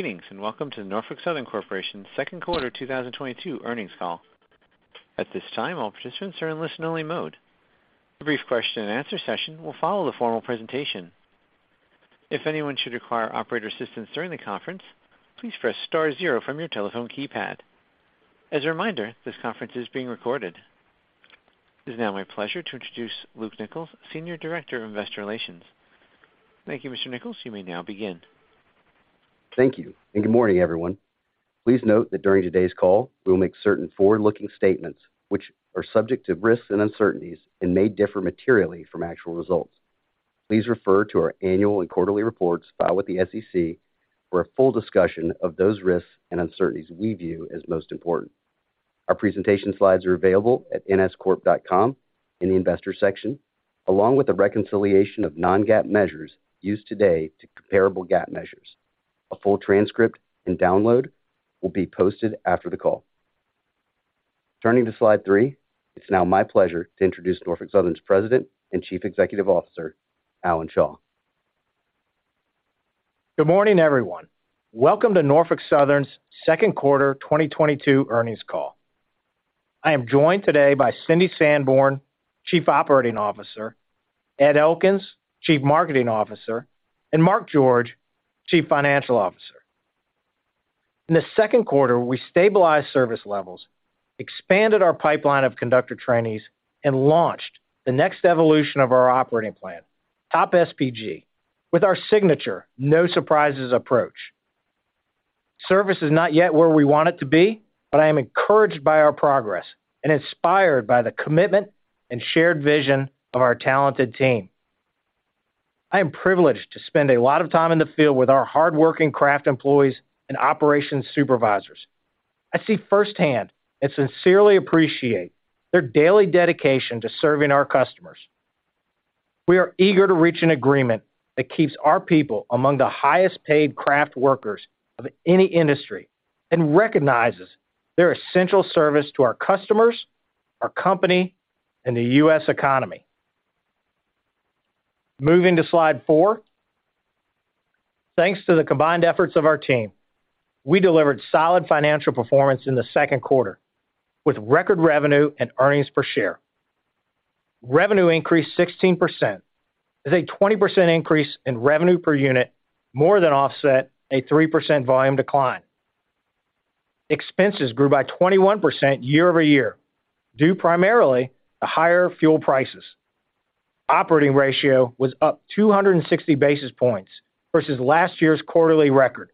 Greetings, and welcome to the Norfolk Southern Corporation second quarter 2022 earnings call. At this time, all participants are in listen-only mode. A brief question-and-answer session will follow the formal presentation. If anyone should require operator assistance during the conference, please press star zero from your telephone keypad. As a reminder, this conference is being recorded. It is now my pleasure to introduce Luke Nichols, Senior Director of Investor Relations. Thank you, Mr. Nichols. You may now begin. Thank you, and good morning, everyone. Please note that during today's call, we will make certain forward-looking statements which are subject to risks and uncertainties and may differ materially from actual results. Please refer to our annual and quarterly reports filed with the SEC for a full discussion of those risks and uncertainties we view as most important. Our presentation slides are available at nscorp.com in the Investors section, along with a reconciliation of non-GAAP measures used today to comparable GAAP measures. A full transcript and download will be posted after the call. Turning to slide three, it's now my pleasure to introduce Norfolk Southern's President and Chief Executive Officer, Alan Shaw. Good morning, everyone. Welcome to Norfolk Southern's second quarter 2022 earnings call. I am joined today by Cynthia Sanborn, Chief Operating Officer, Ed Elkins, Chief Marketing Officer, and Mark George, Chief Financial Officer. In the second quarter, we stabilized service levels, expanded our pipeline of conductor trainees, and launched the next evolution of our operating plan, TOP SPG, with our signature no-surprises approach. Service is not yet where we want it to be, but I am encouraged by our progress and inspired by the commitment and shared vision of our talented team. I am privileged to spend a lot of time in the field with our hardworking craft employees and operations supervisors. I see firsthand and sincerely appreciate their daily dedication to serving our customers. We are eager to reach an agreement that keeps our people among the highest-paid craft workers of any industry and recognizes their essential service to our customers, our company, and the U.S. economy. Moving to slide 4. Thanks to the combined efforts of our team, we delivered solid financial performance in the second quarter with record revenue and earnings per share. Revenue increased 16% as a 20% increase in revenue per unit more than offset a 3% volume decline. Expenses grew by 21% year-over-year, due primarily to higher fuel prices. Operating ratio was up 260 basis points versus last year's quarterly record.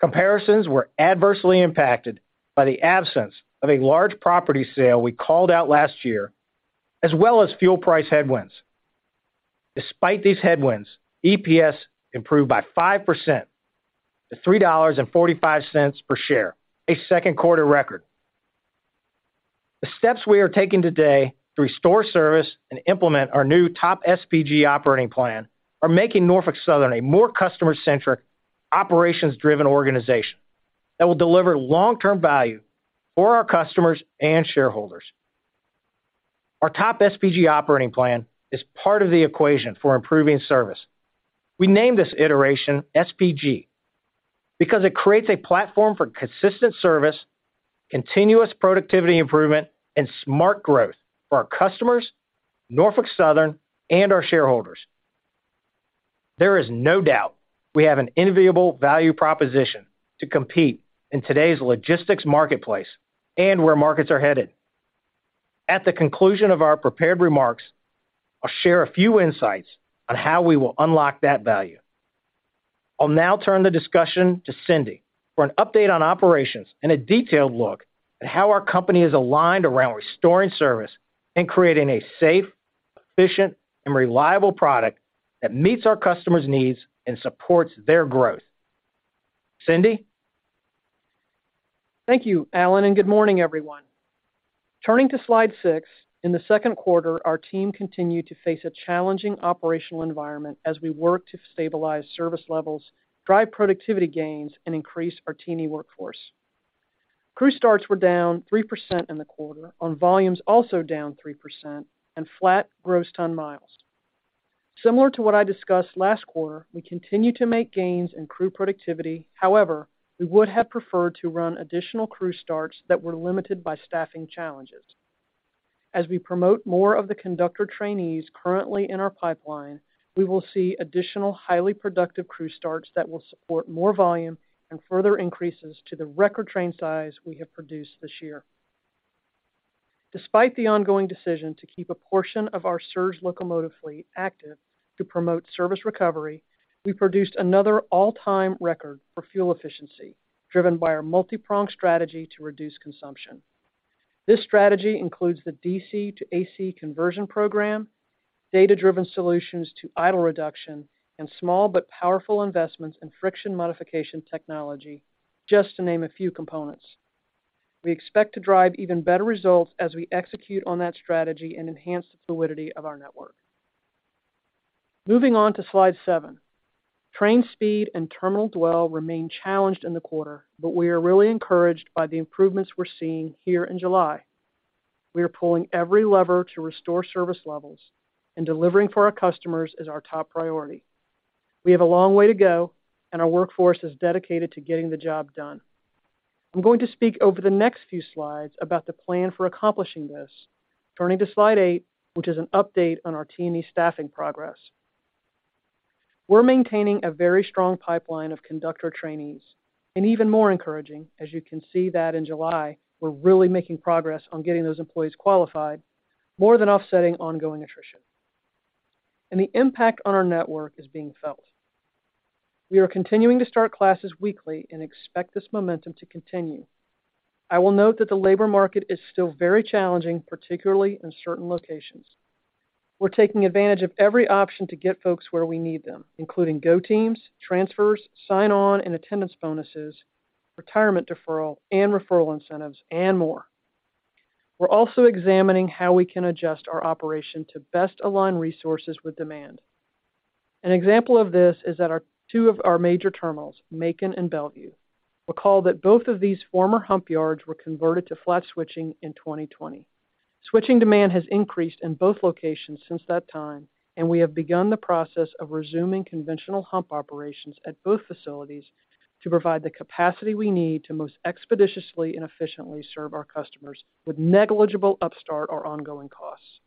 Comparisons were adversely impacted by the absence of a large property sale we called out last year, as well as fuel price headwinds. Despite these headwinds, EPS improved by 5% to $3.45 per share, a second-quarter record. The steps we are taking today to restore service and implement our new TOP SPG operating plan are making Norfolk Southern a more customer-centric, operations-driven organization that will deliver long-term value for our customers and shareholders. Our TOP SPG operating plan is part of the equation for improving service. We named this iteration SPG because it creates a platform for consistent service, continuous productivity improvement, and smart growth for our customers, Norfolk Southern, and our shareholders. There is no doubt we have an enviable value proposition to compete in today's logistics marketplace and where markets are headed. At the conclusion of our prepared remarks, I'll share a few insights on how we will unlock that value. I'll now turn the discussion to Cynthia for an update on operations and a detailed look at how our company is aligned around restoring service and creating a safe, efficient, and reliable product that meets our customers' needs and supports their growth. Cynthia? Thank you, Alan, and good morning, everyone. Turning to slide 6, in the second quarter, our team continued to face a challenging operational environment as we work to stabilize service levels, drive productivity gains, and increase our team and workforce. Crew starts were down 3% in the quarter on volumes also down 3% and flat gross ton miles. Similar to what I discussed last quarter, we continue to make gains in crew productivity. However, we would have preferred to run additional crew starts that were limited by staffing challenges. As we promote more of the conductor trainees currently in our pipeline, we will see additional highly productive crew starts that will support more volume and further increases to the record train size we have produced this year. Despite the ongoing decision to keep a portion of our surge locomotive fleet active to promote service recovery, we produced another all-time record for fuel efficiency, driven by our multi-pronged strategy to reduce consumption. This strategy includes the DC to AC conversion program, data-driven solutions to idle reduction, and small but powerful investments in friction modification technology, just to name a few components. We expect to drive even better results as we execute on that strategy and enhance the fluidity of our network. Moving on to slide 7. Train speed and terminal dwell remain challenged in the quarter, but we are really encouraged by the improvements we're seeing here in July. We are pulling every lever to restore service levels and delivering for our customers is our top priority. We have a long way to go and our workforce is dedicated to getting the job done. I'm going to speak over the next few slides about the plan for accomplishing this. Turning to slide 8, which is an update on our T&E staffing progress. We're maintaining a very strong pipeline of conductor trainees, and even more encouraging, as you can see that in July, we're really making progress on getting those employees qualified, more than offsetting ongoing attrition. The impact on our network is being felt. We are continuing to start classes weekly and expect this momentum to continue. I will note that the labor market is still very challenging, particularly in certain locations. We're taking advantage of every option to get folks where we need them, including go teams, transfers, sign-on and attendance bonuses, retirement deferral, and referral incentives, and more. We're also examining how we can adjust our operation to best align resources with demand. An example of this is two of our major terminals, Macon and Bellevue. Recall that both of these former hump yards were converted to flat switching in 2020. Switching demand has increased in both locations since that time, and we have begun the process of resuming conventional hump operations at both facilities to provide the capacity we need to most expeditiously and efficiently serve our customers with negligible upstart or ongoing costs.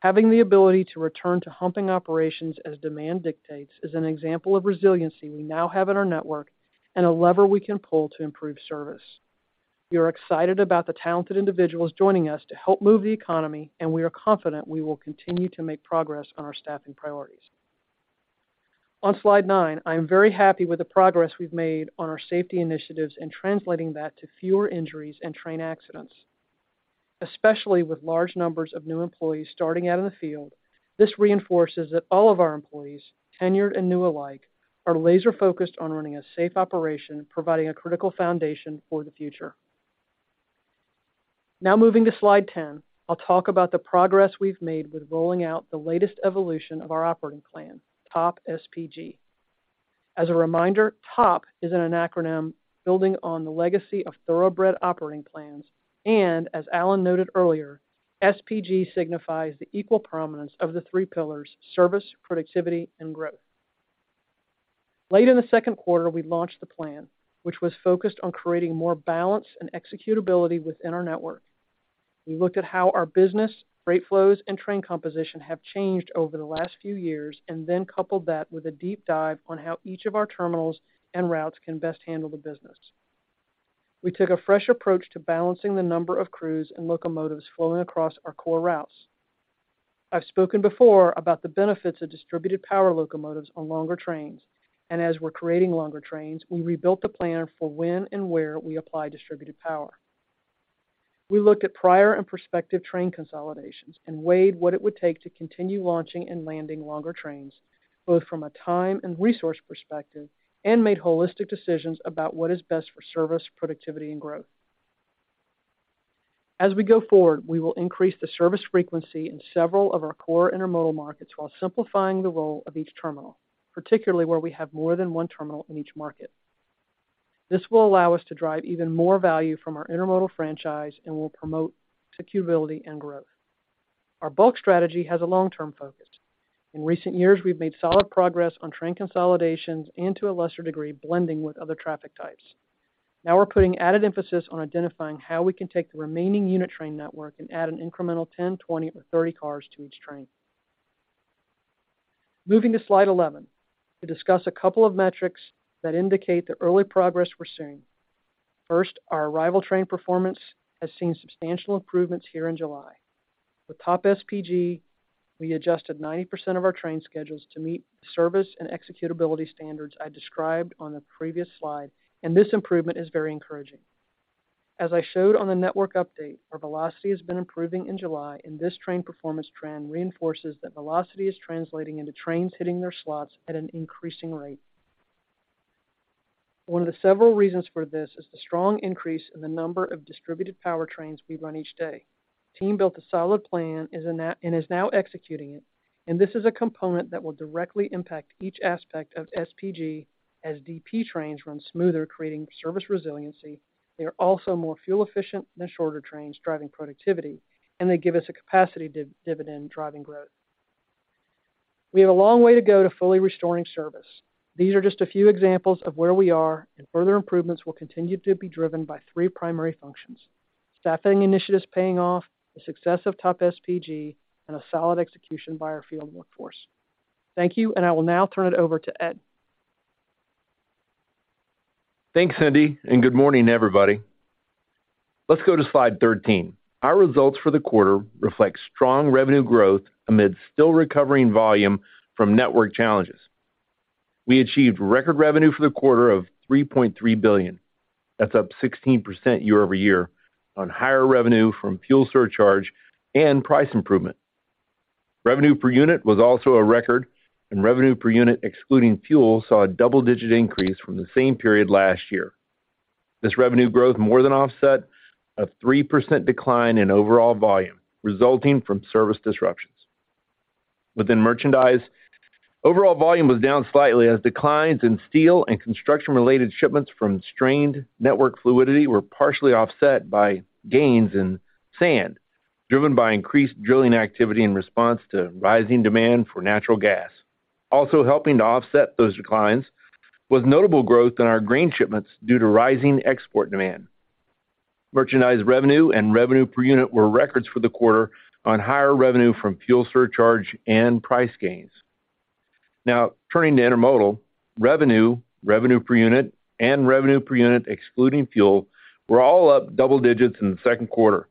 Having the ability to return to humping operations as demand dictates is an example of resiliency we now have in our network and a lever we can pull to improve service. We are excited about the talented individuals joining us to help move the economy, and we are confident we will continue to make progress on our staffing priorities. On slide nine, I am very happy with the progress we've made on our safety initiatives and translating that to fewer injuries and train accidents. Especially with large numbers of new employees starting out in the field, this reinforces that all of our employees, tenured and new alike, are laser-focused on running a safe operation, providing a critical foundation for the future. Now moving to slide ten, I'll talk about the progress we've made with rolling out the latest evolution of our operating plan, TOP SPG. As a reminder, TOP is an acronym building on the legacy of thoroughbred operating plans. As Alan noted earlier, SPG signifies the equal prominence of the three pillars, service, productivity, and growth. Late in the second quarter, we launched the plan, which was focused on creating more balance and executability within our network. We looked at how our business, freight flows, and train composition have changed over the last few years, and then coupled that with a deep dive on how each of our terminals and routes can best handle the business. We took a fresh approach to balancing the number of crews and locomotives flowing across our core routes. I've spoken before about the benefits of distributed power locomotives on longer trains, and as we're creating longer trains, we rebuilt the plan for when and where we apply distributed power. We looked at prior and prospective train consolidations and weighed what it would take to continue launching and landing longer trains, both from a time and resource perspective, and made holistic decisions about what is best for service, productivity, and growth. As we go forward, we will increase the service frequency in several of our core intermodal markets while simplifying the role of each terminal, particularly where we have more than one terminal in each market. This will allow us to drive even more value from our intermodal franchise and will promote executability and growth. Our bulk strategy has a long-term focus. In recent years, we've made solid progress on train consolidations and to a lesser degree, blending with other traffic types. Now we're putting added emphasis on identifying how we can take the remaining unit train network and add an incremental 10, 20, or 30 cars to each train. Moving to slide 11, to discuss a couple of metrics that indicate the early progress we're seeing. First, our arrival train performance has seen substantial improvements here in July. With TOP SPG, we adjusted 90% of our train schedules to meet service and executability standards I described on the previous slide, and this improvement is very encouraging. As I showed on the network update, our velocity has been improving in July, and this train performance trend reinforces that velocity is translating into trains hitting their slots at an increasing rate. One of the several reasons for this is the strong increase in the number of distributed power trains we run each day. Team built a solid plan and is now executing it, and this is a component that will directly impact each aspect of SPG as DP trains run smoother, creating service resiliency. They are also more fuel efficient than shorter trains driving productivity, and they give us a capacity dividend driving growth. We have a long way to go to fully restoring service. These are just a few examples of where we are, and further improvements will continue to be driven by three primary functions, staffing initiatives paying off, the success of TOP SPG, and a solid execution by our field workforce. Thank you, and I will now turn it over to Ed. Thanks, Cynthia, and good morning, everybody. Let's go to slide 13. Our results for the quarter reflect strong revenue growth amid still recovering volume from network challenges. We achieved record revenue for the quarter of $3.3 billion. That's up 16% year-over-year on higher revenue from fuel surcharge and price improvement. Revenue per unit was also a record, and revenue per unit excluding fuel saw a double-digit increase from the same period last year. This revenue growth more than offset a 3% decline in overall volume resulting from service disruptions. Within merchandise, overall volume was down slightly as declines in steel and construction-related shipments from strained network fluidity were partially offset by gains in sand, driven by increased drilling activity in response to rising demand for natural gas. Also helping to offset those declines was notable growth in our grain shipments due to rising export demand. Merchandise revenue and revenue per unit were records for the quarter on higher revenue from fuel surcharge and price gains. Now turning to intermodal. Revenue, revenue per unit and revenue per unit excluding fuel were all up double digits in the second quarter,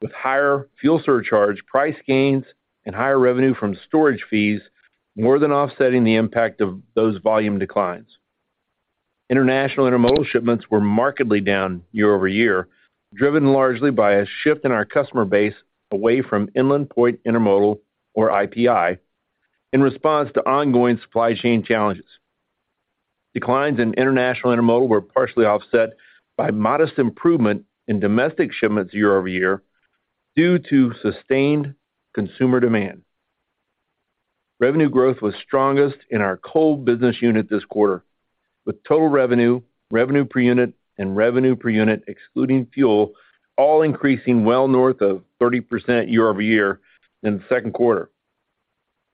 with higher fuel surcharge, price gains and higher revenue from storage fees more than offsetting the impact of those volume declines. International intermodal shipments were markedly down year-over-year, driven largely by a shift in our customer base away from Inland Point Intermodal, or IPI, in response to ongoing supply chain challenges. Declines in international intermodal were partially offset by modest improvement in domestic shipments year-over-year due to sustained consumer demand. Revenue growth was strongest in our coal business unit this quarter, with total revenue per unit and revenue per unit excluding fuel, all increasing well north of 30% year-over-year in the second quarter.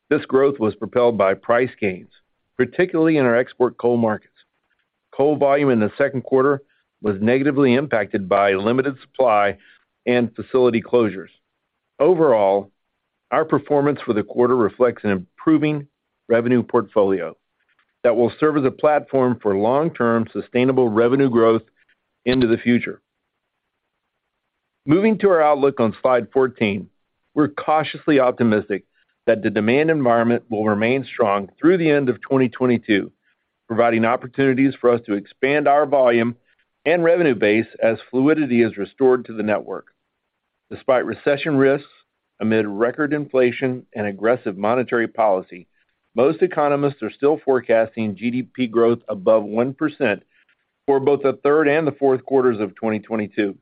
This growth was propelled by price gains, particularly in our export coal markets. Coal volume in the second quarter was negatively impacted by limited supply and facility closures. Overall, our performance for the quarter reflects an improving revenue portfolio that will serve as a platform for long-term sustainable revenue growth into the future. Moving to our outlook on slide 14. We're cautiously optimistic that the demand environment will remain strong through the end of 2022, providing opportunities for us to expand our volume and revenue base as fluidity is restored to the network. Despite recession risks amid record inflation and aggressive monetary policy, most economists are still forecasting GDP growth above 1% for both the third and the fourth quarters of 2022.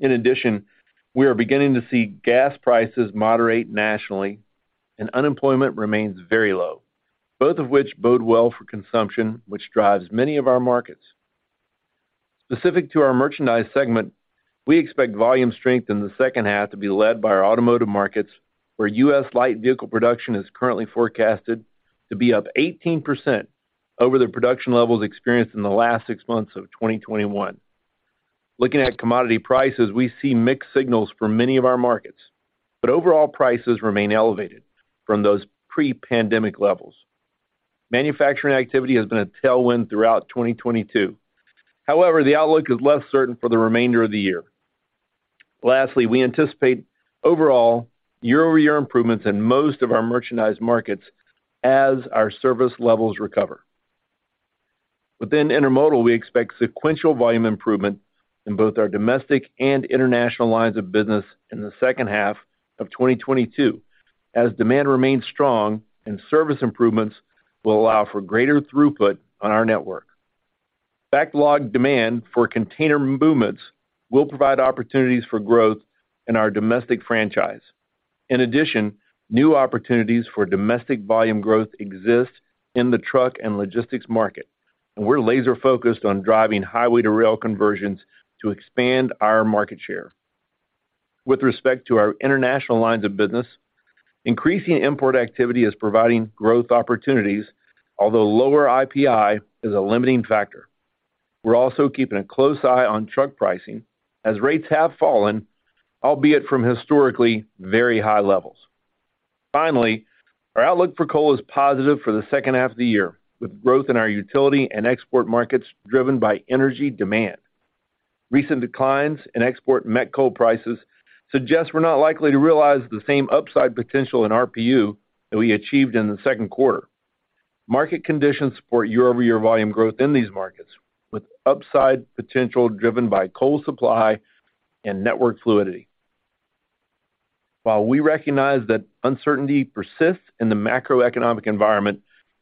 In addition, we are beginning to see gas prices moderate nationally and unemployment remains very low, both of which bode well for consumption, which drives many of our markets. Specific to our merchandise segment, we expect volume strength in the second half to be led by our automotive markets, where U.S. light vehicle production is currently forecasted to be up 18% over the production levels experienced in the last six months of 2021. Looking at commodity prices, we see mixed signals from many of our markets, but overall prices remain elevated from those pre-pandemic levels. Manufacturing activity has been a tailwind throughout 2022. However, the outlook is less certain for the remainder of the year. Lastly, we anticipate overall year-over-year improvements in most of our merchandise markets as our service levels recover. Within intermodal, we expect sequential volume improvement in both our domestic and international lines of business in the second half of 2022, as demand remains strong and service improvements will allow for greater throughput on our network. Backlog demand for container movements will provide opportunities for growth in our domestic franchise. In addition, new opportunities for domestic volume growth exist in the truck and logistics market, and we're laser focused on driving highway to rail conversions to expand our market share. With respect to our international lines of business, increasing import activity is providing growth opportunities, although lower IPI is a limiting factor. We're also keeping a close eye on truck pricing as rates have fallen, albeit from historically very high levels. Finally, our outlook for coal is positive for the second half of the year, with growth in our utility and export markets driven by energy demand. Recent declines in export met coal prices suggest we're not likely to realize the same upside potential in RPU that we achieved in the second quarter. Market conditions support year-over-year volume growth in these markets, with upside potential driven by coal supply and network fluidity. While we recognize that uncertainty persists in the macroeconomic environment,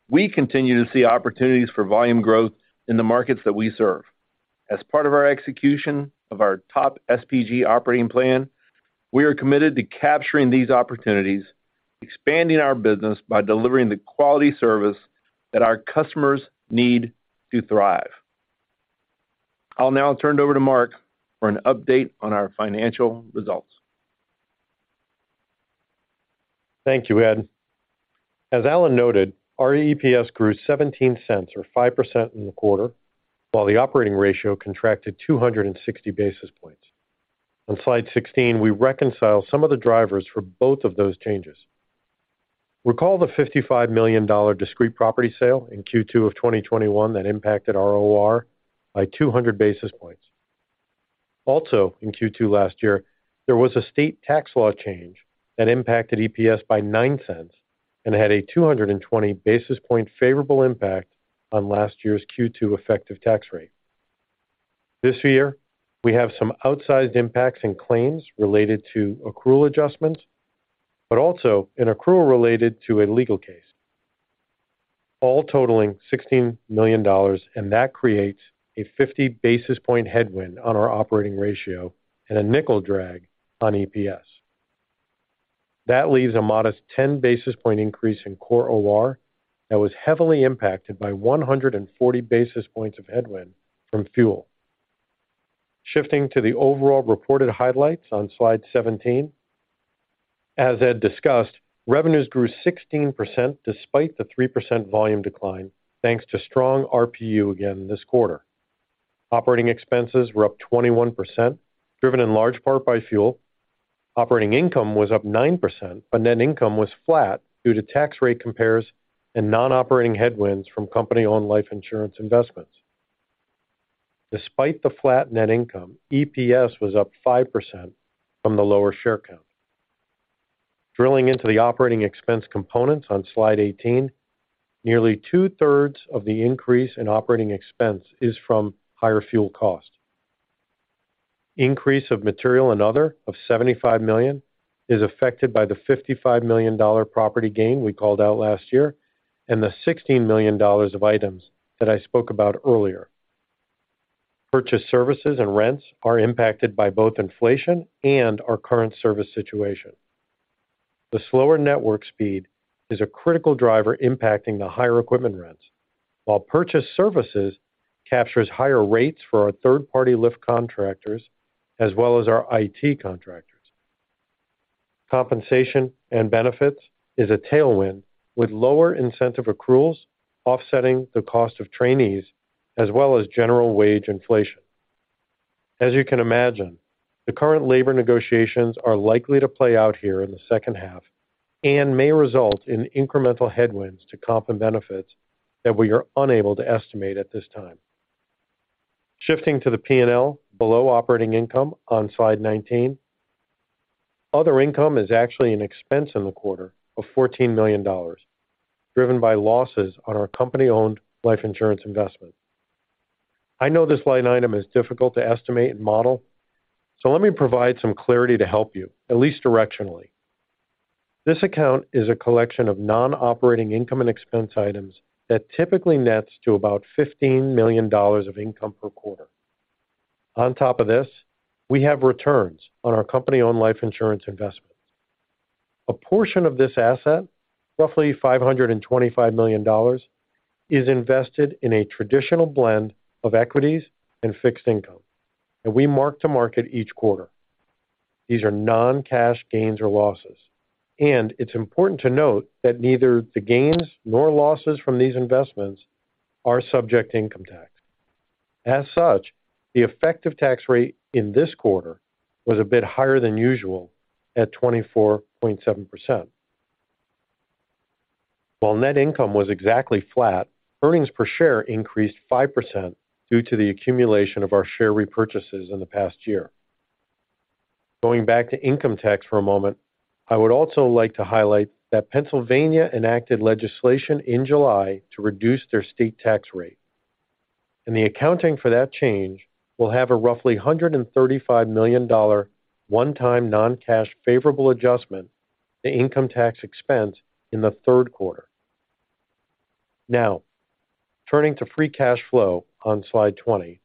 we continue to see opportunities for volume growth in the markets that we serve. As part of our execution of our TOP SPG operating plan, we are committed to capturing these opportunities, expanding our business by delivering the quality service that our customers need to thrive. I'll now turn it over to Mark for an update on our financial results. Thank you, Ed. As Alan noted, our EPS grew $0.17 or 5% in the quarter, while the operating ratio contracted 260 basis points. On slide 16, we reconcile some of the drivers for both of those changes. Recall the $55 million discrete property sale in Q2 of 2021 that impacted our OR by 200 basis points. Also in Q2 last year, there was a state tax law change that impacted EPS by $0.09 and had a 220 basis point favorable impact on last year's Q2 effective tax rate. This year, we have some outsized impacts and claims related to accrual adjustments, but also an accrual related to a legal case. All totaling $16 million, and that creates a 50 basis point headwind on our operating ratio and a $0.05 drag on EPS. That leaves a modest 10 basis point increase in core OR that was heavily impacted by 140 basis points of headwind from fuel. Shifting to the overall reported highlights on slide 17. As Ed discussed, revenues grew 16% despite the 3% volume decline, thanks to strong RPU again this quarter. Operating expenses were up 21%, driven in large part by fuel. Operating income was up 9%, but net income was flat due to tax rate compares and non-operating headwinds from company-owned life insurance investments. Despite the flat net income, EPS was up 5% from the lower share count. Drilling into the operating expense components on slide 18, nearly two-thirds of the increase in operating expense is from higher fuel cost. Increase of material and other of $75 million is affected by the $55 million property gain we called out last year and the $16 million of items that I spoke about earlier. Purchase services and rents are impacted by both inflation and our current service situation. The slower network speed is a critical driver impacting the higher equipment rents, while purchase services captures higher rates for our third-party lift contractors as well as our IT contractors. Compensation and benefits is a tailwind with lower incentive accruals offsetting the cost of trainees as well as general wage inflation. As you can imagine, the current labor negotiations are likely to play out here in the second half and may result in incremental headwinds to comp and benefits that we are unable to estimate at this time. Shifting to the P&L below operating income on slide 19. Other income is actually an expense in the quarter of $14 million, driven by losses on our company-owned life insurance investment. I know this line item is difficult to estimate and model, so let me provide some clarity to help you, at least directionally. This account is a collection of non-operating income and expense items that typically nets to about $15 million of income per quarter. On top of this, we have returns on our company-owned life insurance investment. A portion of this asset, roughly $525 million, is invested in a traditional blend of equities and fixed income that we mark to market each quarter. These are non-cash gains or losses, and it's important to note that neither the gains nor losses from these investments are subject to income tax. As such, the effective tax rate in this quarter was a bit higher than usual at 24.7%. While net income was exactly flat, earnings per share increased 5% due to the accumulation of our share repurchases in the past year. Going back to income tax for a moment, I would also like to highlight that Pennsylvania enacted legislation in July to reduce their state tax rate, and the accounting for that change will have a roughly $135 million one-time non-cash favorable adjustment to income tax expense in the third quarter. Now, turning to free cash flow on slide 20.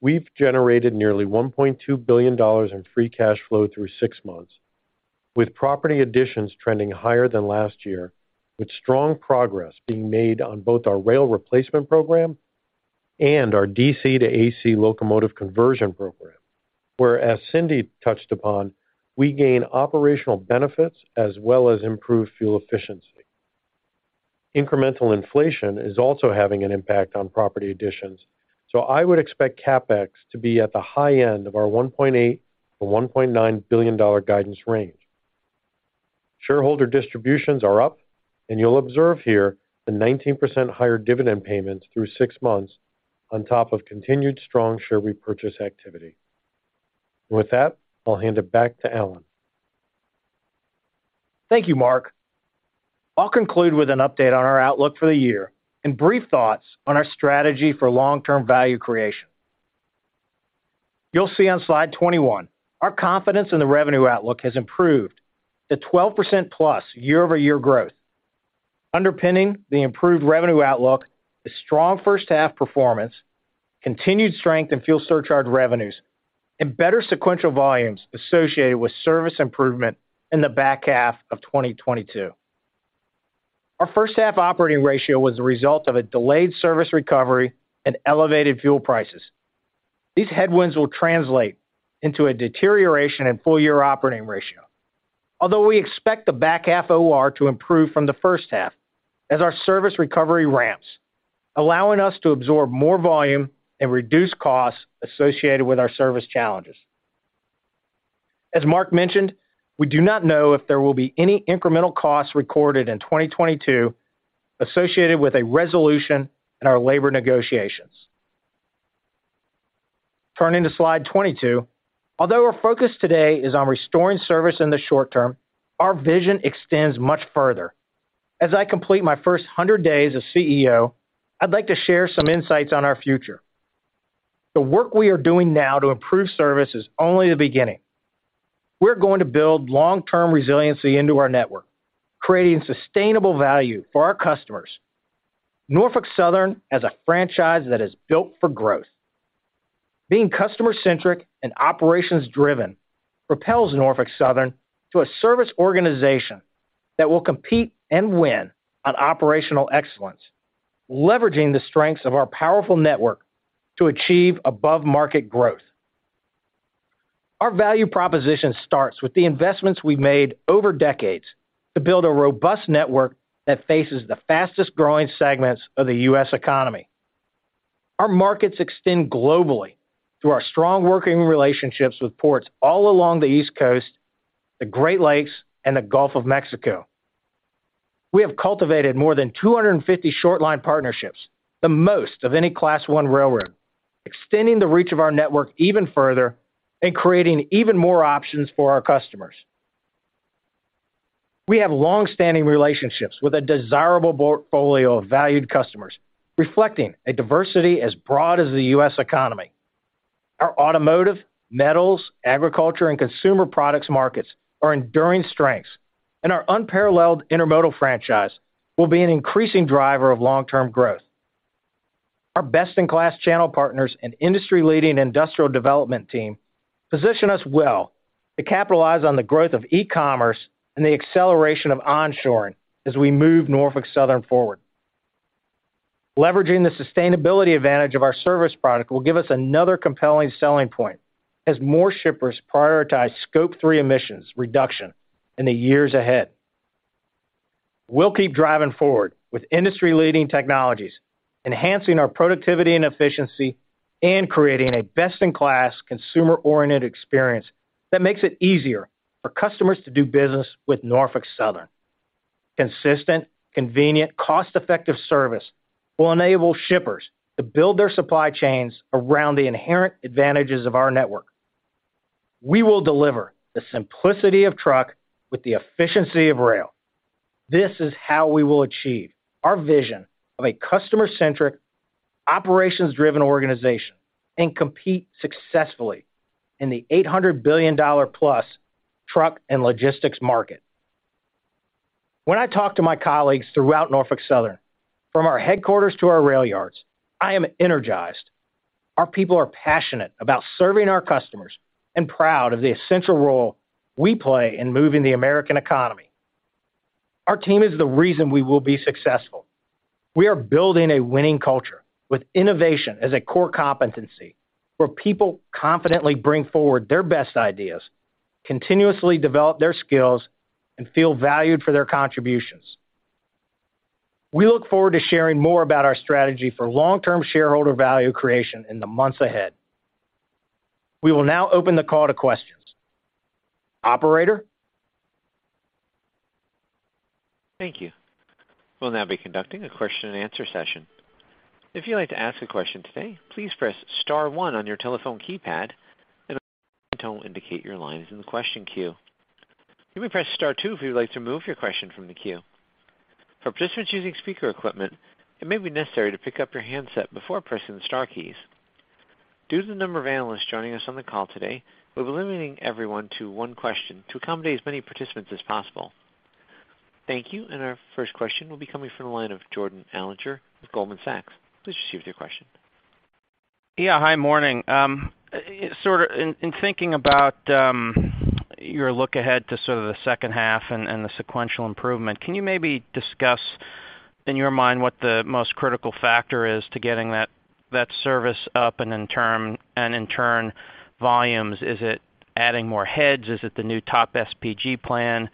We've generated nearly $1.2 billion in free cash flow through six months, with property additions trending higher than last year, with strong progress being made on both our rail replacement program and our DC to AC locomotive conversion program, where, as Cynthia touched upon, we gain operational benefits as well as improved fuel efficiency. Incremental inflation is also having an impact on property additions, so I would expect CapEx to be at the high end of our $1.8 billion -$1.9 billion guidance range. Shareholder distributions are up, and you'll observe here the 19% higher dividend payments through six months on top of continued strong share repurchase activity. With that, I'll hand it back to Alan. Thank you, Mark. I'll conclude with an update on our outlook for the year and brief thoughts on our strategy for long-term value creation. You'll see on slide 21, our confidence in the revenue outlook has improved to 12%+ year-over-year growth. Underpinning the improved revenue outlook is strong first half performance, continued strength in fuel surcharge revenues, and better sequential volumes associated with service improvement in the back half of 2022. Our first half operating ratio was a result of a delayed service recovery and elevated fuel prices. These headwinds will translate into a deterioration in full year operating ratio. Although we expect the back half OR to improve from the first half as our service recovery ramps, allowing us to absorb more volume and reduce costs associated with our service challenges. As Mark mentioned, we do not know if there will be any incremental costs recorded in 2022 associated with a resolution in our labor negotiations. Turning to slide 22. Although our focus today is on restoring service in the short term, our vision extends much further. As I complete my first 100 days as CEO, I'd like to share some insights on our future. The work we are doing now to improve service is only the beginning. We're going to build long-term resiliency into our network, creating sustainable value for our customers. Norfolk Southern has a franchise that is built for growth. Being customer-centric and operations-driven propels Norfolk Southern to a service organization that will compete and win on operational excellence, leveraging the strengths of our powerful network to achieve above-market growth. Our value proposition starts with the investments we've made over decades to build a robust network that faces the fastest-growing segments of the U.S. economy. Our markets extend globally through our strong working relationships with ports all along the East Coast, the Great Lakes, and the Gulf of Mexico. We have cultivated more than 250 short line partnerships, the most of any Class I railroad, extending the reach of our network even further and creating even more options for our customers. We have long-standing relationships with a desirable portfolio of valued customers, reflecting a diversity as broad as the U.S. economy. Our automotive, metals, agriculture, and consumer products markets are enduring strengths, and our unparalleled intermodal franchise will be an increasing driver of long-term growth. Our best-in-class channel partners and industry-leading industrial development team position us well to capitalize on the growth of e-commerce and the acceleration of onshoring as we move Norfolk Southern forward. Leveraging the sustainability advantage of our service product will give us another compelling selling point as more shippers prioritize Scope 3 emissions reduction in the years ahead. We'll keep driving forward with industry-leading technologies, enhancing our productivity and efficiency, and creating a best-in-class, consumer-oriented experience that makes it easier for customers to do business with Norfolk Southern. Consistent, convenient, cost-effective service will enable shippers to build their supply chains around the inherent advantages of our network. We will deliver the simplicity of truck with the efficiency of rail. This is how we will achieve our vision of a customer-centric, operations-driven organization and compete successfully in the $800 billion+ truck and logistics market. When I talk to my colleagues throughout Norfolk Southern, from our headquarters to our rail yards, I am energized. Our people are passionate about serving our customers and proud of the essential role we play in moving the American economy. Our team is the reason we will be successful. We are building a winning culture with innovation as a core competency, where people confidently bring forward their best ideas, continuously develop their skills, and feel valued for their contributions. We look forward to sharing more about our strategy for long-term shareholder value creation in the months ahead. We will now open the call to questions. Operator? Thank you. We'll now be conducting a question-and-answer session. If you'd like to ask a question today, please press star one on your telephone keypad, and a tone will indicate your line is in the question queue. You may press star two if you'd like to remove your question from the queue. For participants using speaker equipment, it may be necessary to pick up your handset before pressing the star keys. Due to the number of analysts joining us on the call today, we'll be limiting everyone to one question to accommodate as many participants as possible. Thank you. Our first question will be coming from the line of Jordan Alliger with Goldman Sachs. Please proceed with your question. Yeah. Hi. Morning. Sort of in thinking about your look ahead to sort of the second half and the sequential improvement, can you maybe discuss, in your mind, what the most critical factor is to getting that service up and in turn, volumes? Is it adding more heads? Is it the new TOP SPG plan,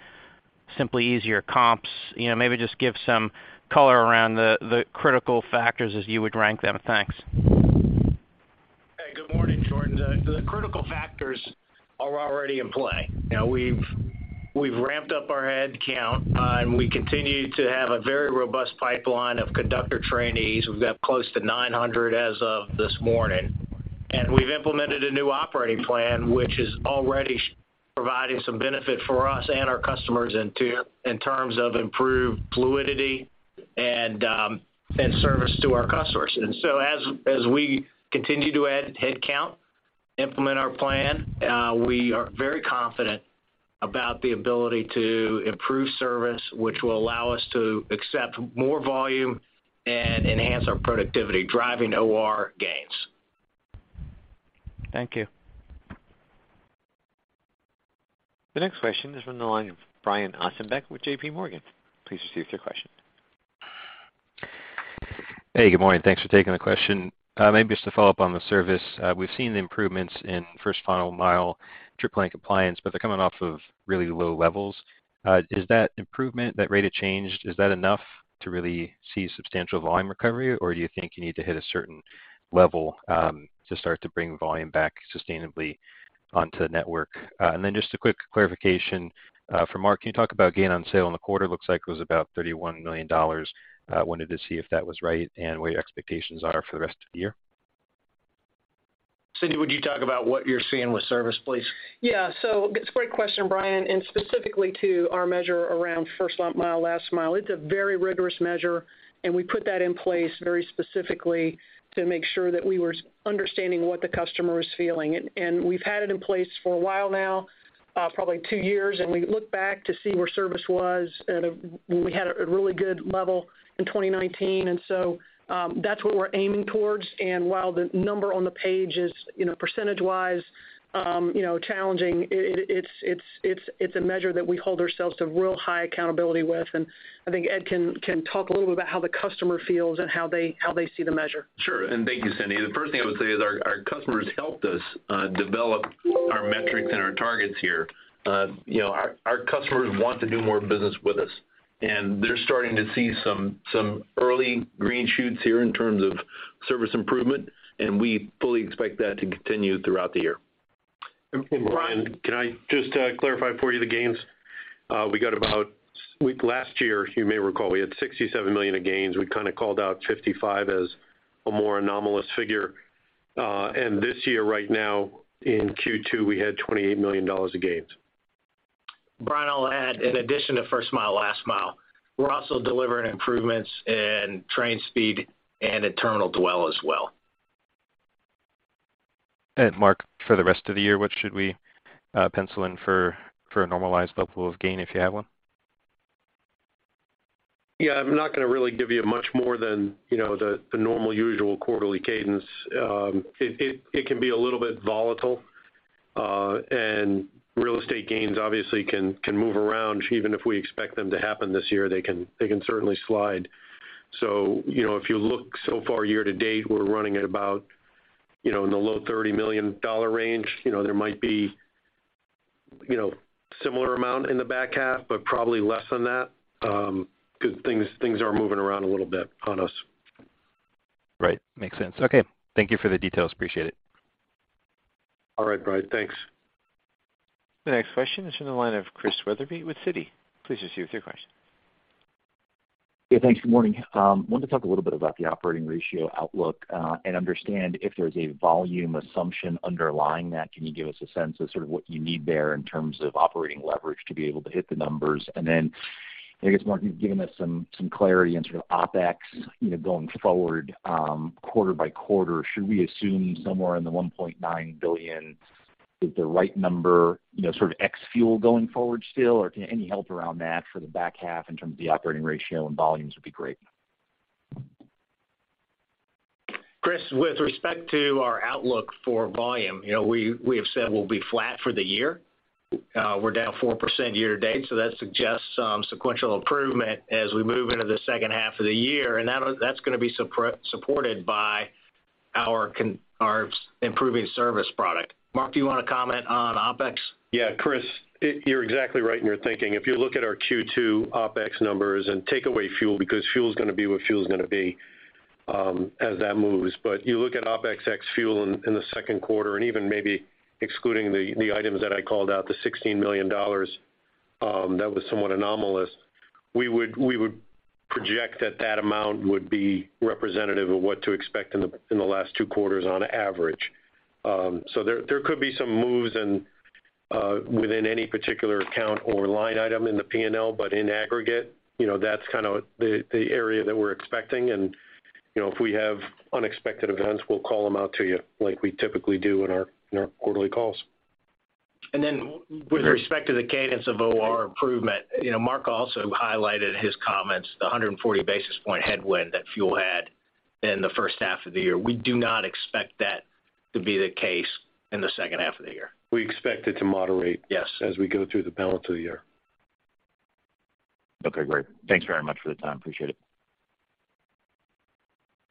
simply easier comps? You know, maybe just give some color around the critical factors as you would rank them. Thanks. Hey, good morning, Jordan. The critical factors are already in play. You know, we've ramped up our head count, and we continue to have a very robust pipeline of conductor trainees. We've got close to 900 as of this morning. We've implemented a new operating plan, which is already providing some benefit for us and our customers in terms of improved fluidity and service to our customers. As we continue to add headcount, implement our plan, we are very confident about the ability to improve service, which will allow us to accept more volume and enhance our productivity, driving OR gains. Thank you. The next question is from the line of Brian Ossenbeck with J.P. Morgan. Please proceed with your question. Hey, good morning. Thanks for taking the question. Maybe just to follow up on the service. We've seen the improvements in first mile, last mile trip plan compliance, but they're coming off of really low levels. Is that improvement, that rate of change, enough to really see substantial volume recovery, or do you think you need to hit a certain level to start to bring volume back sustainably onto the network? Just a quick clarification for Mark. Can you talk about gain on sale in the quarter? Looks like it was about $31 million. Wanted to see if that was right and what your expectations are for the rest of the year. Cynthia, would you talk about what you're seeing with service, please? Yeah. It's a great question, Brian, and specifically to our measure around first mile, last mile. It's a very rigorous measure, and we put that in place very specifically to make sure that we were understanding what the customer is feeling. We've had it in place for a while now, probably two years, and we look back to see where service was at when we had a really good level in 2019. That's what we're aiming towards. While the number on the page is, you know, percentage-wise, you know, challenging, it's a measure that we hold ourselves to real high accountability with. I think Ed can talk a little bit about how the customer feels and how they see the measure. Sure. Thank you, Cynthia. The first thing I would say is our customers helped us develop our metrics and our targets here. You know, our customers want to do more business with us, and they're starting to see some early green shoots here in terms of service improvement, and we fully expect that to continue throughout the year. Brian, can I just clarify for you the gains? We got about 60 last year, you may recall we had $67 million of gains. We kind of called out $55 million as a more anomalous figure. This year right now in Q2, we had $28 million of gains. Brian, I'll add, in addition to first mile, last mile, we're also delivering improvements in train speed and terminal dwell as well. Mark, for the rest of the year, what should we pencil in for a normalized level of gain if you have one? Yeah, I'm not gonna really give you much more than, you know, the normal usual quarterly cadence. It can be a little bit volatile, and real estate gains obviously can move around. Even if we expect them to happen this year, they can certainly slide. You know, if you look so far year to date, we're running at about, you know, in the low $30 million range. You know, there might be a similar amount in the back half, but probably less than that, 'cause things are moving around a little bit on us. Right. Makes sense. Okay. Thank you for the details. Appreciate it. All right, Brian. Thanks. The next question is from the line of Christian Wetherbee with Citi. Please proceed with your question. Yeah, thanks. Good morning. Wanted to talk a little bit about the operating ratio outlook, and understand if there's a volume assumption underlying that. Can you give us a sense of sort of what you need there in terms of operating leverage to be able to hit the numbers? Then I guess, Mark, you've given us some clarity on sort of OpEx, you know, going forward, quarter by quarter. Should we assume somewhere in the $1.9 billion is the right number, you know, sort of ex-fuel going forward still? Or any help around that for the back half in terms of the operating ratio and volumes would be great. Chris, with respect to our outlook for volume, you know, we have said we'll be flat for the year. We're down 4% year to date, so that suggests some sequential improvement as we move into the second half of the year. That's gonna be supported by our improving service product. Mark, do you wanna comment on OpEx? Yeah, Chris, you're exactly right in your thinking. If you look at our Q2 OpEx numbers and take away fuel because fuel's gonna be what fuel's gonna be, as that moves. You look at OpEx ex fuel in the second quarter and even maybe excluding the items that I called out, the $16 million, that was somewhat anomalous, we would project that amount would be representative of what to expect in the last two quarters on average. There could be some moves and within any particular account or line item in the P&L, but in aggregate, you know, that's kind of the area that we're expecting. You know, if we have unexpected events, we'll call them out to you like we typically do in our quarterly calls. With respect to the cadence of OR improvement, you know, Mark also highlighted his comments, the 140 basis point headwind that fuel had in the first half of the year. We do not expect that to be the case in the second half of the year. We expect it to moderate. Yes As we go through the balance of the year. Okay, great. Thanks very much for the time. Appreciate it.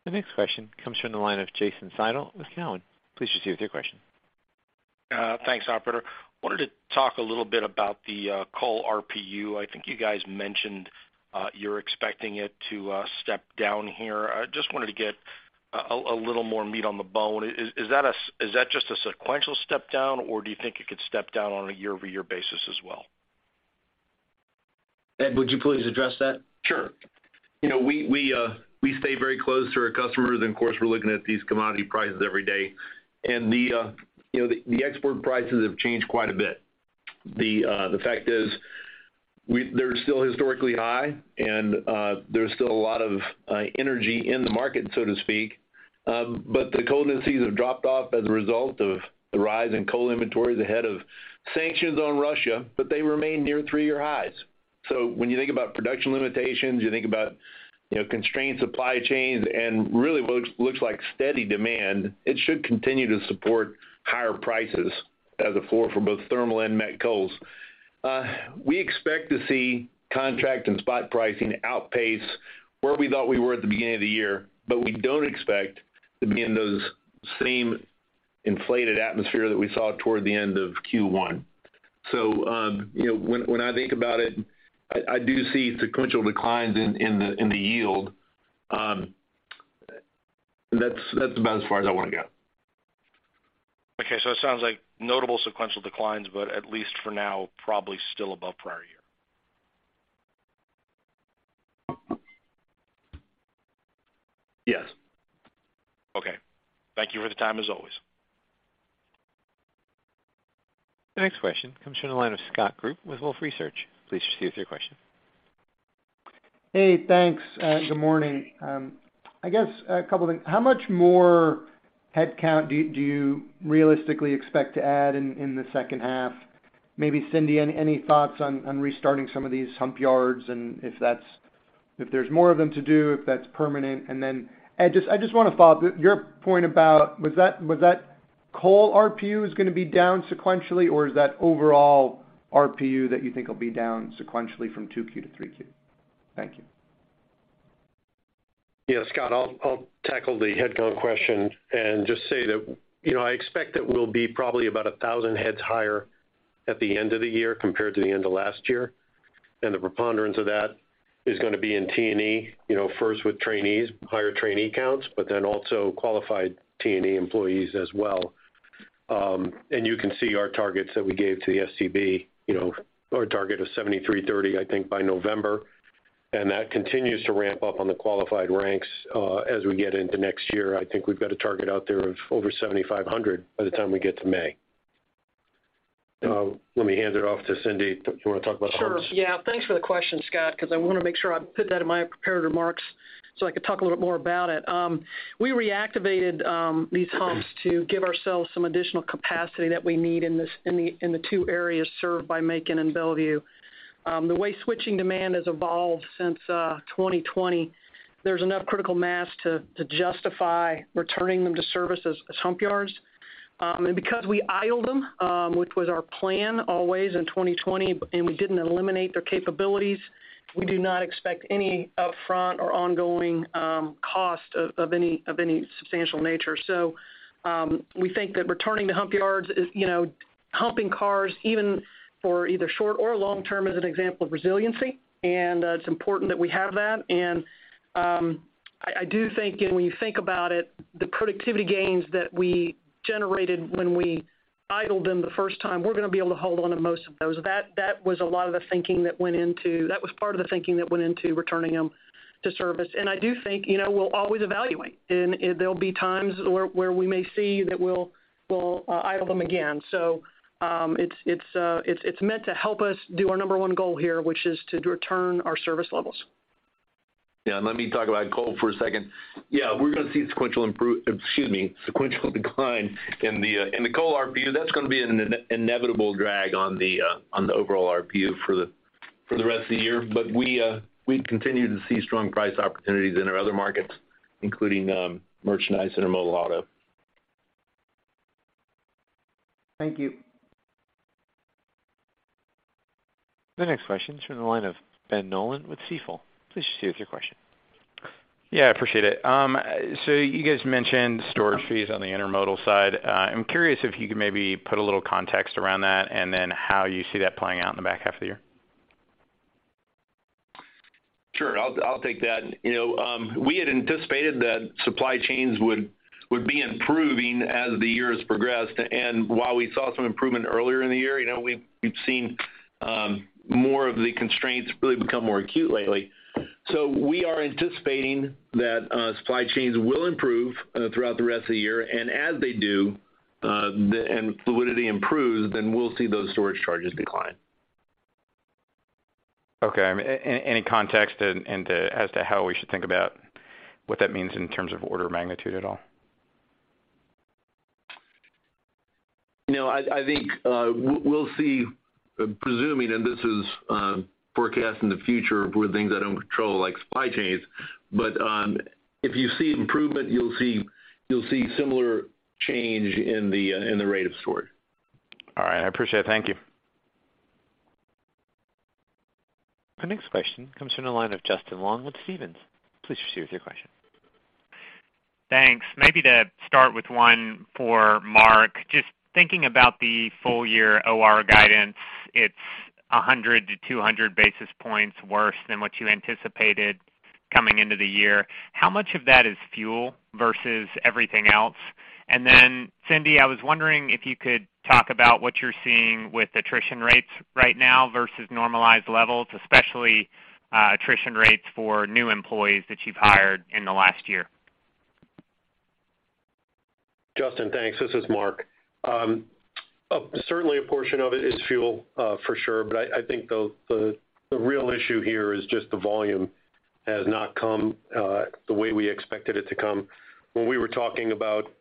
The next question comes from the line of Jason Seidl with Cowen. Please proceed with your question. Thanks, operator. Wanted to talk a little bit about the coal RPU. I think you guys mentioned you're expecting it to step down here. I just wanted to get a little more meat on the bone. Is that just a sequential step down, or do you think it could step down on a year-over-year basis as well? Ed, would you please address that? Sure. You know, we stay very close to our customers and of course, we're looking at these commodity prices every day. You know, the export prices have changed quite a bit. The fact is, they're still historically high and there's still a lot of energy in the market, so to speak. The coal prices have dropped off as a result of the rise in coal inventories ahead of sanctions on Russia, but they remain near three-year highs. When you think about production limitations, you know, constrained supply chains and really what looks like steady demand, it should continue to support higher prices as a floor for both thermal and met coals. We expect to see contract and spot pricing outpace where we thought we were at the beginning of the year, but we don't expect to be in those same inflated atmosphere that we saw toward the end of Q1. You know, when I think about it, I do see sequential declines in the yield. That's about as far as I wanna go. Okay. It sounds like notable sequential declines, but at least for now, probably still above prior year. Yes. Okay. Thank you for the time, as always. The next question comes from the line of Scott Group with Wolfe Research. Please proceed with your question. Hey, thanks. Good morning. I guess a couple things. How much more headcount do you realistically expect to add in the second half? Maybe Cynthia, any thoughts on restarting some of these hump yards and if that's, if there's more of them to do, if that's permanent. Ed, I just wanna follow up your point about was that coal RPU is gonna be down sequentially, or is that overall RPU that you think will be down sequentially from 2Q to 3Q? Thank you. Yeah, Scott, I'll tackle the headcount question and just say that, you know, I expect that we'll be probably about 1,000 heads higher at the end of the year compared to the end of last year. The preponderance of that is gonna be in T&E, you know, first with trainees, higher trainee counts, but then also qualified T&E employees as well. You can see our targets that we gave to the STB, you know, our target of 7,330, I think, by November. That continues to ramp up on the qualified ranks as we get into next year. I think we've got a target out there of over 7,500 by the time we get to May. Let me hand it off to Cynthia. Do you wanna talk about service? Sure. Yeah. Thanks for the question, Scott, because I wanna make sure I put that in my prepared remarks so I could talk a little bit more about it. We reactivated these humps to give ourselves some additional capacity that we need in the two areas served by Macon and Bellevue. The way switching demand has evolved since 2020, there's enough critical mass to justify returning them to service as hump yards. Because we idled them, which was our plan always in 2020, and we didn't eliminate their capabilities, we do not expect any upfront or ongoing cost of any substantial nature. We think that returning to hump yards is, you know, humping cars even for either short or long term is an example of resiliency, and it's important that we have that. I do think, and when you think about it, the productivity gains that we generated when we idled them the first time, we're gonna be able to hold on to most of those. That was part of the thinking that went into returning them to service. I do think, you know, we'll always evaluate, and there'll be times where we may see that we'll idle them again. It's meant to help us do our number one goal here, which is to return our service levels. Yeah. Let me talk about coal for a second. Yeah, we're gonna see sequential decline in the coal RPU. That's gonna be an inevitable drag on the overall RPU for the rest of the year. We continue to see strong price opportunities in our other markets, including merchandise, intermodal auto. Thank you. The next question's from the line of Ben Nolan with Stifel. Please proceed with your question. Yeah, I appreciate it. You guys mentioned storage fees on the intermodal side. I'm curious if you could maybe put a little context around that and then how you see that playing out in the back half of the year. Sure. I'll take that. You know, we had anticipated that supply chains would be improving as the year has progressed. While we saw some improvement earlier in the year, you know, we've seen more of the constraints really become more acute lately. We are anticipating that supply chains will improve throughout the rest of the year. As they do, and fluidity improves, then we'll see those storage charges decline. Okay. Any context as to how we should think about what that means in terms of order of magnitude at all? You know, I think we'll see, presuming and this is forecast in the future with things I don't control, like supply chains. If you see improvement, you'll see similar change in the rate of storage. All right, I appreciate it. Thank you. Our next question comes from the line of Justin Long with Stephens. Please proceed with your question. Thanks. Maybe to start with one for Mark. Just thinking about the full year OR guidance, it's 100-200 basis points worse than what you anticipated coming into the year. How much of that is fuel versus everything else? Cynthia, I was wondering if you could talk about what you're seeing with attrition rates right now versus normalized levels, especially attrition rates for new employees that you've hired in the last year. Justin, thanks. This is Mark. Certainly a portion of it is fuel, for sure, but I think the real issue here is just the volume has not come, the way we expected it to come. When we were talking about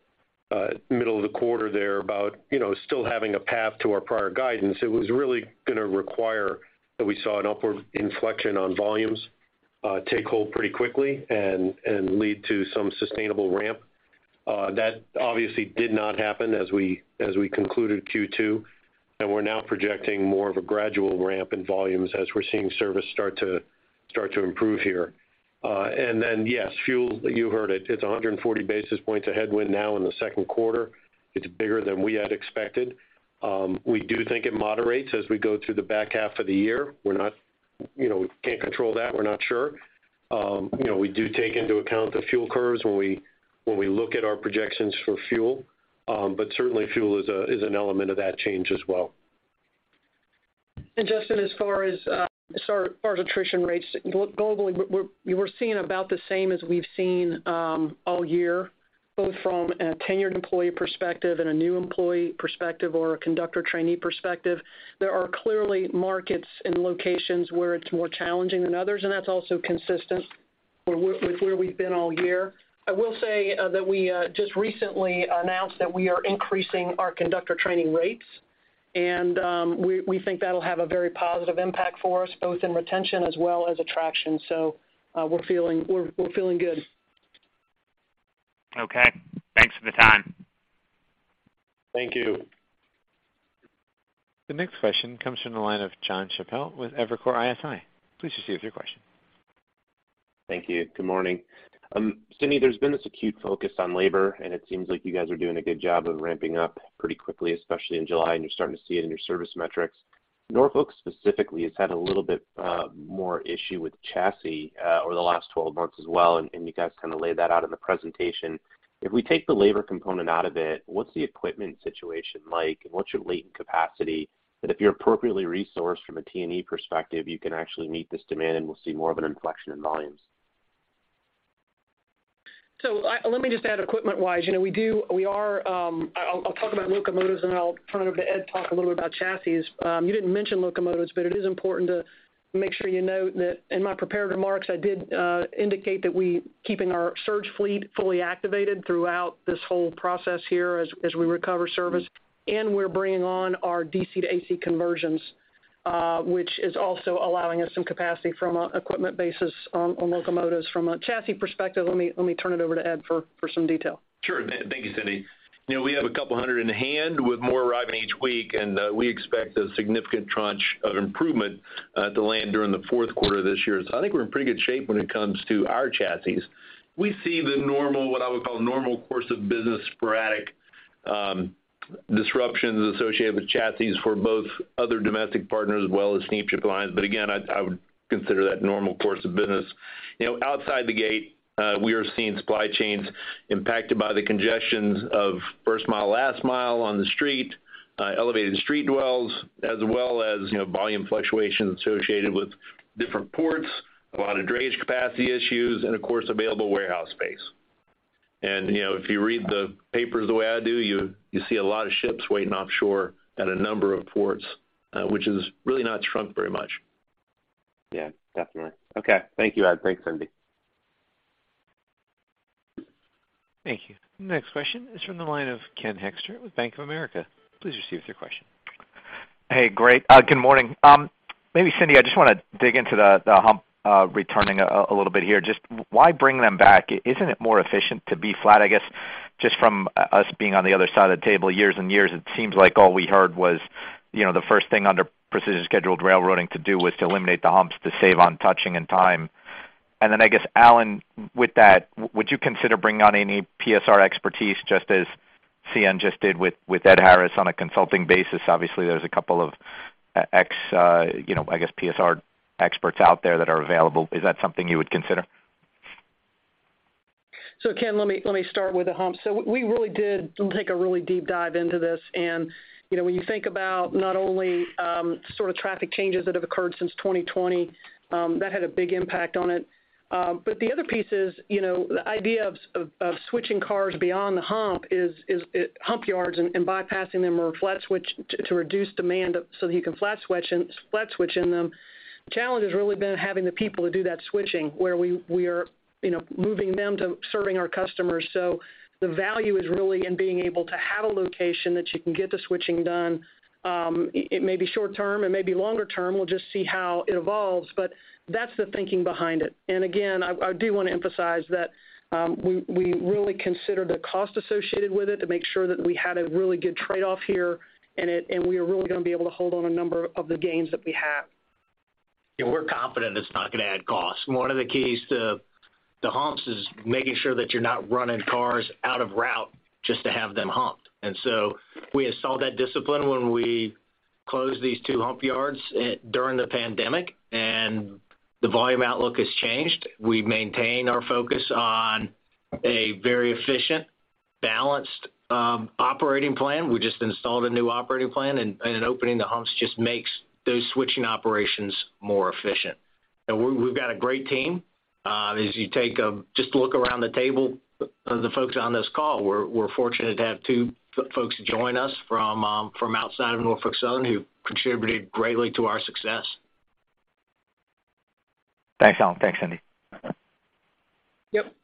middle of the quarter there about, you know, still having a path to our prior guidance, it was really gonna require that we saw an upward inflection on volumes, take hold pretty quickly and lead to some sustainable ramp. That obviously did not happen as we concluded Q2, and we're now projecting more of a gradual ramp in volumes as we're seeing service start to improve here. Yes, fuel, you heard it. It's 100 basis points of headwind now in the second quarter. It's bigger than we had expected. We do think it moderates as we go through the back half of the year. We're not, you know, we can't control that. We're not sure. You know, we do take into account the fuel curves when we look at our projections for fuel. Certainly fuel is an element of that change as well. Justin, as far as attrition rates globally, we're seeing about the same as we've seen all year, both from a tenured employee perspective and a new employee perspective or a conductor trainee perspective. There are clearly markets and locations where it's more challenging than others, and that's also consistent with where we've been all year. I will say that we just recently announced that we are increasing our conductor training rates. We think that'll have a very positive impact for us, both in retention as well as attraction. We're feeling good. Okay. Thanks for the time. Thank you. The next question comes from the line of Jonathan Chappell with Evercore ISI. Please proceed with your question. Thank you. Good morning. Cynthia, there's been this acute focus on labor, and it seems like you guys are doing a good job of ramping up pretty quickly, especially in July, and you're starting to see it in your service metrics. Norfolk specifically has had a little bit more issue with chassis over the last 12 months as well, and you guys kind of laid that out in the presentation. If we take the labor component out of it, what's the equipment situation like? What's your latent capacity? That if you're appropriately resourced from a T&E perspective, you can actually meet this demand, and we'll see more of an inflection in volumes. Let me just add equipment-wise, you know, I'll talk about locomotives, and I'll turn it over to Ed to talk a little bit about chassis. You didn't mention locomotives, but it is important to make sure you note that in my prepared remarks, I did indicate that we're keeping our surge fleet fully activated throughout this whole process here as we recover service, and we're bringing on our DC to AC conversions, which is also allowing us some capacity from a equipment basis on locomotives. From a chassis perspective, let me turn it over to Ed for some detail. Sure. Thank you, Cynthia. You know, we have 200 in hand with more arriving each week, and we expect a significant tranche of improvement to land during the fourth quarter of this year. I think we're in pretty good shape when it comes to our chassis. We see the normal, what I would call normal course of business, sporadic disruptions associated with chassis for both other domestic partners as well as ocean shipping lines. Again, I would consider that normal course of business. You know, outside the gate, we are seeing supply chains impacted by the congestions of first mile, last mile on the street, elevated street dwells, as well as volume fluctuations associated with different ports, a lot of drayage capacity issues and, of course, available warehouse space. You know, if you read the papers the way I do, you see a lot of ships waiting offshore at a number of ports, which has really not shrunk very much. Yeah, definitely. Okay. Thank you, Ed. Thanks, Cynthia. Thank you. Next question is from the line of Ken Hoexter with Bank of America. Please proceed with your question. Hey, great. Good morning. Maybe Cynthia, I just wanna dig into the hump returning a little bit here. Just why bring them back? Isn't it more efficient to be flat, I guess, just from us being on the other side of the table years and years, it seems like all we heard was, you know, the first thing under precision scheduled railroading to do was to eliminate the humps to save on touching and time. Then I guess, Alan, with that, would you consider bringing on any PSR expertise, just as CN just did with Edmond Harris on a consulting basis? Obviously, there's a couple of ex you know, I guess, PSR experts out there that are available. Is that something you would consider? Ken, let me start with the hump. We really did take a really deep dive into this. You know, when you think about not only sort of traffic changes that have occurred since 2020, that had a big impact on it. The other piece is, you know, the idea of switching cars beyond the hump is hump yards and bypassing them or flat switch to reduce demand so that you can flat switch in them. Challenge has really been having the people to do that switching where we are, you know, moving them to serving our customers. The value is really in being able to have a location that you can get the switching done. It may be short-term, it may be longer term. We'll just see how it evolves, but that's the thinking behind it. Again, I do wanna emphasize that, we really consider the cost associated with it to make sure that we had a really good trade-off here, and we are really gonna be able to hold on a number of the gains that we have. Yeah, we're confident it's not gonna add costs. One of the keys to the humps is making sure that you're not running cars out of route just to have them humped. We installed that discipline when we closed these two hump yards during the pandemic, and the volume outlook has changed. We maintain our focus on a very efficient, balanced operating plan. We just installed a new operating plan, and opening the humps just makes those switching operations more efficient. We've got a great team. As you just look around the table of the folks on this call, we're fortunate to have two folks join us from outside of Norfolk Southern who contributed greatly to our success. Thanks, Alan. Thanks, Cynthia. Yep.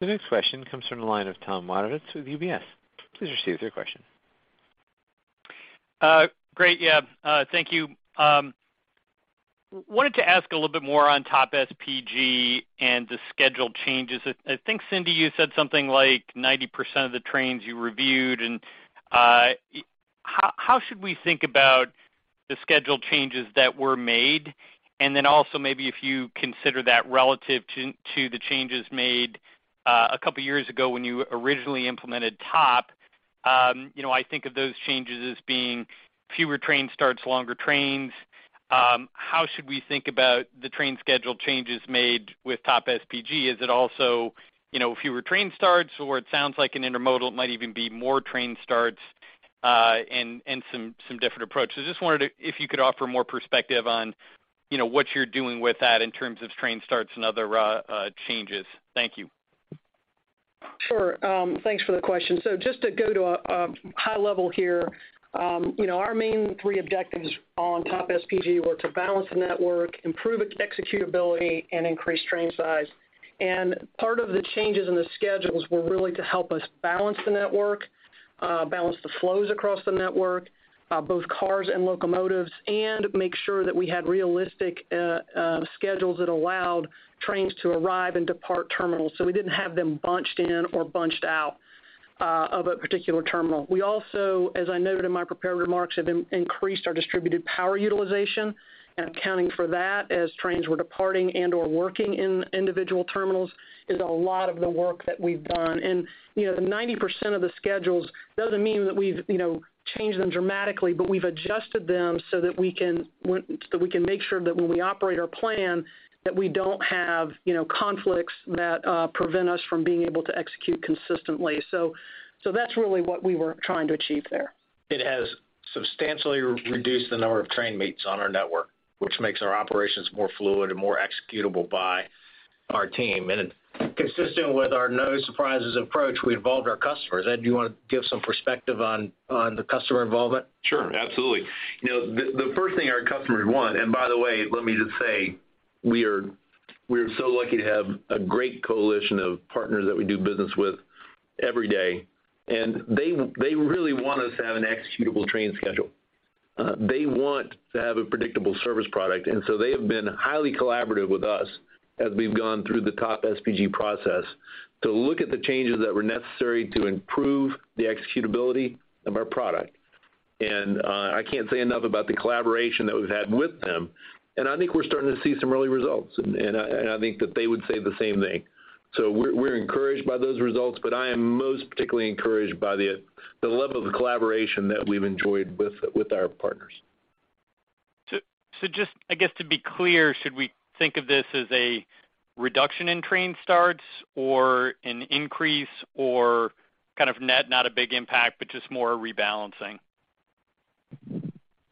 The next question comes from the line of Tom Wadewitz with UBS. Please proceed with your question. Great. Thank you. Wanted to ask a little bit more on TOP SPG and the schedule changes. I think, Cynthia, you said something like 90% of the trains you reviewed. How should we think about the schedule changes that were made? Also maybe if you consider that relative to the changes made a couple of years ago when you originally implemented TOP, you know, I think of those changes as being fewer train starts, longer trains. How should we think about the train schedule changes made with TOP SPG? Is it also, you know, fewer train starts or it sounds like an intermodal might even be more train starts and some different approaches. Just wanted to if you could offer more perspective on, you know, what you're doing with that in terms of train starts and other changes. Thank you. Sure. Thanks for the question. Just to go to a high level here, you know, our main three objectives on TOP SPG were to balance the network, improve its executability, and increase train size. Part of the changes in the schedules were really to help us balance the network, balance the flows across the network, both cars and locomotives, and make sure that we had realistic schedules that allowed trains to arrive and depart terminals, so we didn't have them bunched in or bunched out of a particular terminal. We also, as I noted in my prepared remarks, have increased our distributed power utilization and accounting for that as trains were departing and/or working in individual terminals is a lot of the work that we've done. You know, 90% of the schedules doesn't mean that we've, you know, changed them dramatically, but we've adjusted them so that we can make sure that when we operate our plan that we don't have, you know, conflicts that prevent us from being able to execute consistently. So that's really what we were trying to achieve there. It has substantially reduced the number of train meets on our network, which makes our operations more fluid and more executable by our team. Consistent with our no surprises approach, we involved our customers. Ed, do you wanna give some perspective on the customer involvement? Sure, absolutely. You know, the first thing our customers want, and by the way, let me just say, we are so lucky to have a great coalition of partners that we do business with every day. They really want us to have an executable train schedule. They want to have a predictable service product. They have been highly collaborative with us as we've gone through the TOP SPG process to look at the changes that were necessary to improve the executability of our product. I can't say enough about the collaboration that we've had with them, and I think we're starting to see some early results, and I think that they would say the same thing. We're encouraged by those results, but I am most particularly encouraged by the level of collaboration that we've enjoyed with our partners. Just I guess to be clear, should we think of this as a reduction in train starts or an increase or kind of net, not a big impact, but just more rebalancing?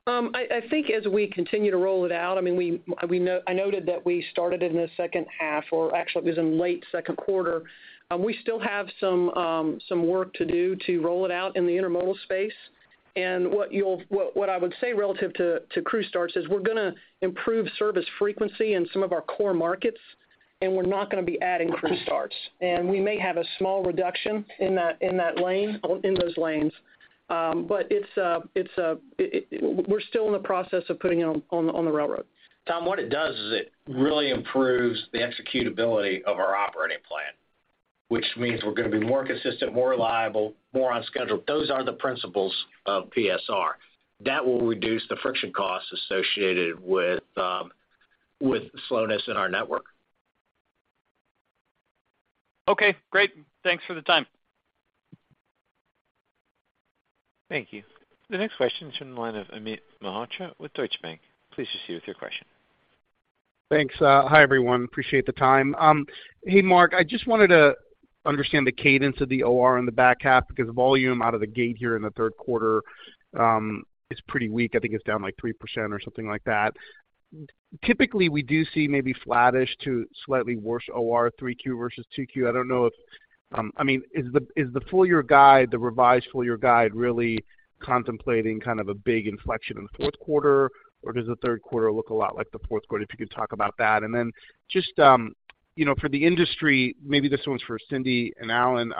I think as we continue to roll it out, I mean, I noted that we started in the second half or actually it was in late second quarter. We still have some work to do to roll it out in the intermodal space. What I would say relative to crew starts is we're gonna improve service frequency in some of our core markets, and we're not gonna be adding crew starts. We may have a small reduction in those lanes. But we're still in the process of putting it on the railroad. Tom, what it does is it really improves the executability of our operating plan, which means we're gonna be more consistent, more reliable, more on schedule. Those are the principles of PSR. That will reduce the friction costs associated with slowness in our network. Okay, great. Thanks for the time. Thank you. The next question is from the line of Amit Mehrotra with Deutsche Bank. Please proceed with your question. Thanks. Hi, everyone. Appreciate the time. Hey, Mark, I just wanted to understand the cadence of the OR in the back half because volume out of the gate here in the third quarter is pretty weak. I think it's down like 3% or something like that. Typically, we do see maybe flattish to slightly worse OR 3Q versus 2Q. I don't know if, I mean, is the full year guide, the revised full year guide, really contemplating kind of a big inflection in the fourth quarter, or does the third quarter look a lot like the fourth quarter? If you could talk about that. Then just, you know, for the industry, maybe this one's for Cynthia and Alan.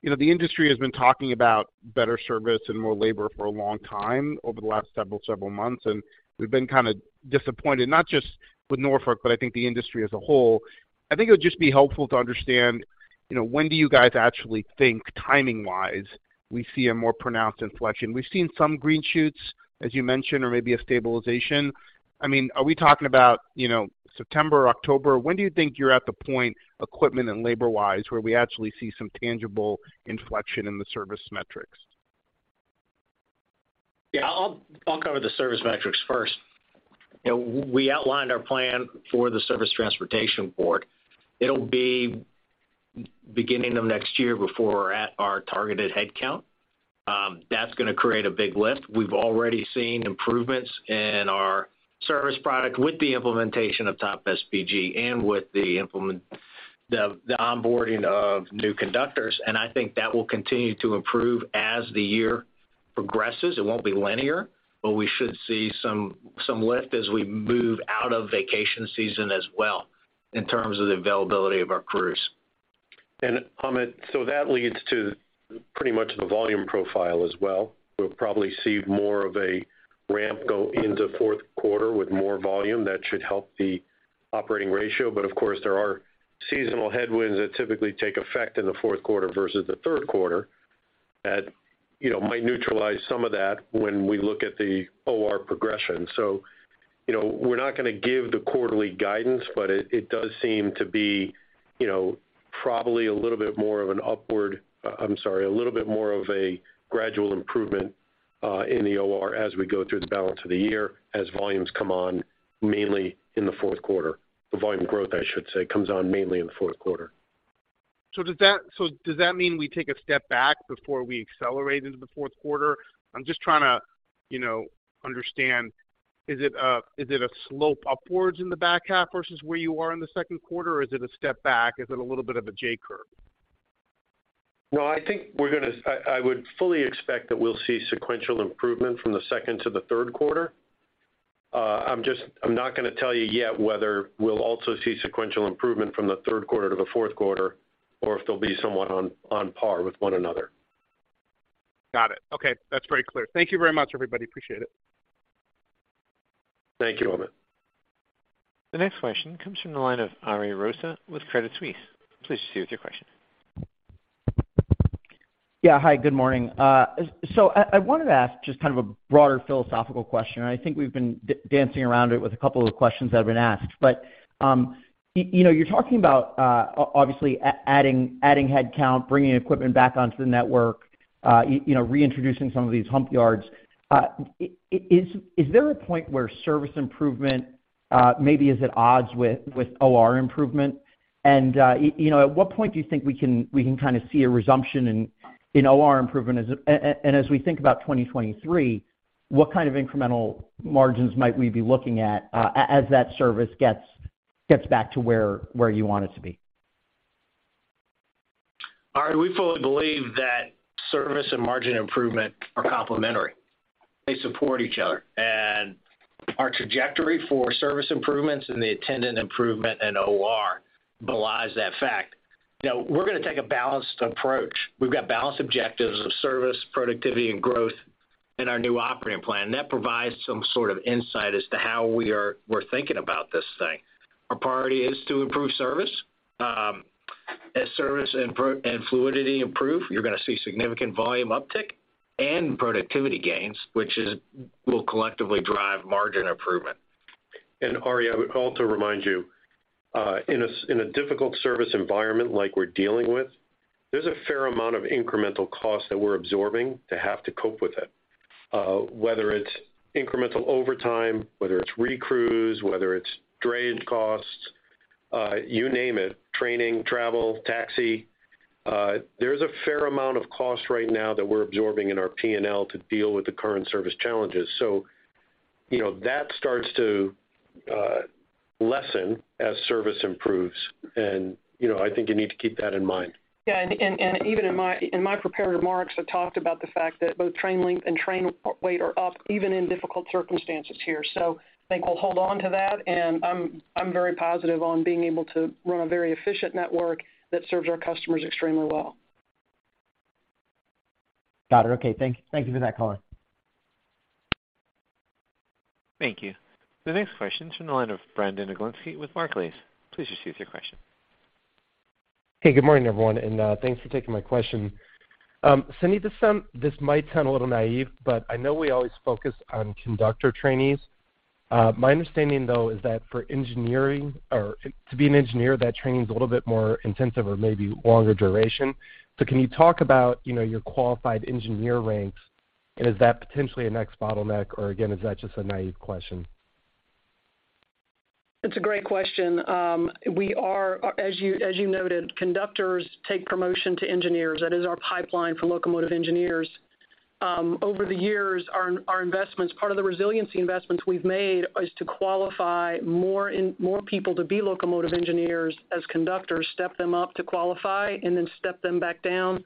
You know, the industry has been talking about better service and more labor for a long time over the last several months, and we've been kind of disappointed, not just with Norfolk, but I think the industry as a whole. I think it would just be helpful to understand, you know, when do you guys actually think timing-wise, we see a more pronounced inflection. We've seen some green shoots, as you mentioned, or maybe a stabilization. I mean, are we talking about, you know, September, October? When do you think you're at the point, equipment and labor wise, where we actually see some tangible inflection in the service metrics? Yeah. I'll cover the service metrics first. You know, we outlined our plan for the Surface Transportation Board. It'll be beginning of next year before we're at our targeted headcount. That's gonna create a big lift. We've already seen improvements in our service product with the implementation of TOP SPG and with the onboarding of new conductors, and I think that will continue to improve as the year progresses. It won't be linear, but we should see some lift as we move out of vacation season as well in terms of the availability of our crews. Amit, that leads to pretty much the volume profile as well. We'll probably see more of a ramp go into fourth quarter with more volume that should help the operating ratio. Of course, there are seasonal headwinds that typically take effect in the fourth quarter versus the third quarter that, you know, might neutralize some of that when we look at the OR progression. You know, we're not gonna give the quarterly guidance, but it does seem to be, you know, probably a little bit more of a gradual improvement in the OR as we go through the balance of the year, as volumes come on mainly in the fourth quarter. The volume growth, I should say, comes on mainly in the fourth quarter. Does that mean we take a step back before we accelerate into the fourth quarter? I'm just trying to, you know, understand, is it a slope upwards in the back half versus where you are in the second quarter, or is it a step back? Is it a little bit of a J curve? No, I think I would fully expect that we'll see sequential improvement from the second to the third quarter. I'm just not gonna tell you yet whether we'll also see sequential improvement from the third quarter to the fourth quarter, or if they'll be somewhat on par with one another. Got it. Okay. That's very clear. Thank you very much, everybody. Appreciate it. Thank you, Amit. The next question comes from the line of Ariel Rosa with Credit Suisse. Please proceed with your question. Yeah, hi, good morning. I wanted to ask just kind of a broader philosophical question, and I think we've been dancing around it with a couple of questions that have been asked. You know, you're talking about obviously adding headcount, bringing equipment back onto the network, you know, reintroducing some of these hump yards. Is there a point where service improvement maybe is at odds with OR improvement? You know, at what point do you think we can kind of see a resumption in OR improvement? As we think about 2023, what kind of incremental margins might we be looking at as that service gets back to where you want it to be? Ari, we fully believe that service and margin improvement are complementary. They support each other. Our trajectory for service improvements and the attendant improvement in OR belies that fact. You know, we're gonna take a balanced approach. We've got balanced objectives of service, productivity, and growth in our new operating plan. That provides some sort of insight as to how we're thinking about this thing. Our priority is to improve service. As service and fluidity improve, you're gonna see significant volume uptick and productivity gains, which will collectively drive margin improvement. Ariel, I would also remind you, in a difficult service environment like we're dealing with, there's a fair amount of incremental costs that we're absorbing to have to cope with it. Whether it's incremental overtime, whether it's recrews, whether it's drayage costs, you name it, training, travel, taxi. There's a fair amount of cost right now that we're absorbing in our P&L to deal with the current service challenges. You know, that starts to lessen as service improves. You know, I think you need to keep that in mind. Yeah. Even in my prepared remarks, I talked about the fact that both train length and train weight are up even in difficult circumstances here. I think we'll hold on to that, and I'm very positive on being able to run a very efficient network that serves our customers extremely well. Got it. Okay. Thank you for that color. Thank you. The next question's from the line of Brandon Oglenski with Barclays. Please proceed with your question. Hey, good morning, everyone, and thanks for taking my question. Cynthia, this might sound a little naive, but I know we always focus on conductor trainees. My understanding, though, is that for engineering or to be an engineer, that training's a little bit more intensive or maybe longer duration. Can you talk about, you know, your qualified engineer ranks, and is that potentially a next bottleneck, or again, is that just a naive question? It's a great question. We are, as you noted, conductors take promotion to engineers. That is our pipeline for locomotive engineers. Over the years, our investments, part of the resiliency investments we've made is to qualify more people to be locomotive engineers as conductors, step them up to qualify, and then step them back down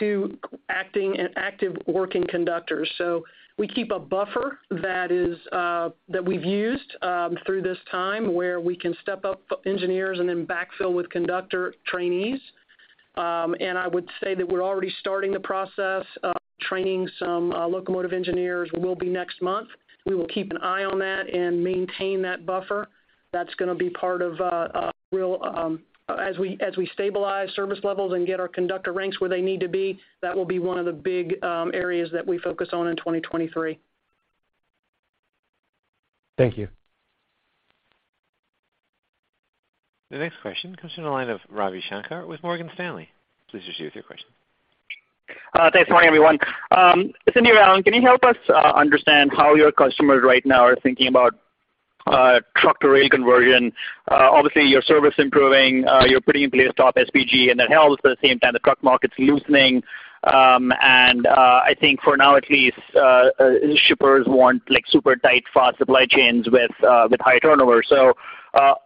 to acting and active working conductors. We keep a buffer that we've used through this time, where we can step up engineers and then backfill with conductor trainees. I would say that we're already starting the process, training some locomotive engineers will be next month. We will keep an eye on that and maintain that buffer. That's gonna be part of a real. As we stabilize service levels and get our conductor ranks where they need to be, that will be one of the big areas that we focus on in 2023. Thank you. The next question comes from the line of Ravi Shanker with Morgan Stanley. Please proceed with your question. Thanks. Morning, everyone. Cynthia, Alan, can you help us understand how your customers right now are thinking about truck-to-rail conversion? Obviously, your service improving, you're putting in place TOP SPG, and that helps. At the same time, the truck market's loosening. I think for now at least, shippers want, like, super tight, fast supply chains with high turnover.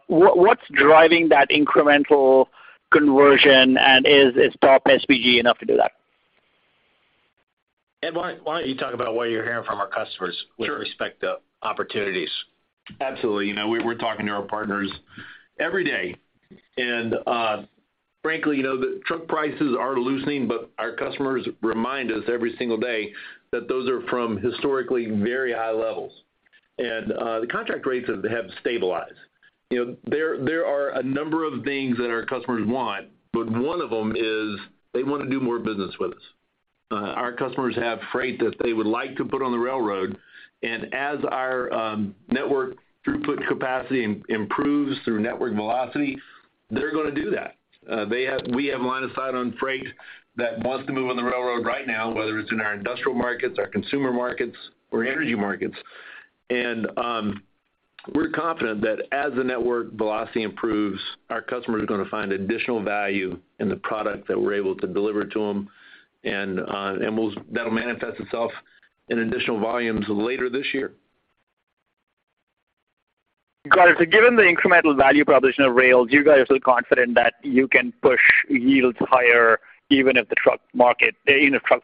What's driving that incremental conversion, and is TOP SPG enough to do that? Ed, why don't you talk about what you're hearing from our customers? Sure. with respect to opportunities? Absolutely. You know, we're talking to our partners every day. Frankly, you know, the truck prices are loosening, but our customers remind us every single day that those are from historically very high levels. The contract rates have stabilized. You know, there are a number of things that our customers want, but one of them is they wanna do more business with us. Our customers have freight that they would like to put on the railroad, and as our network throughput capacity improves through network velocity, they're gonna do that. We have line of sight on freight that wants to move on the railroad right now, whether it's in our industrial markets, our consumer markets, or energy markets. We're confident that as the network velocity improves, our customers are gonna find additional value in the product that we're able to deliver to them, and that'll manifest itself in additional volumes later this year. Got it. Given the incremental value proposition of rails, you guys are confident that you can push yields higher, even if truck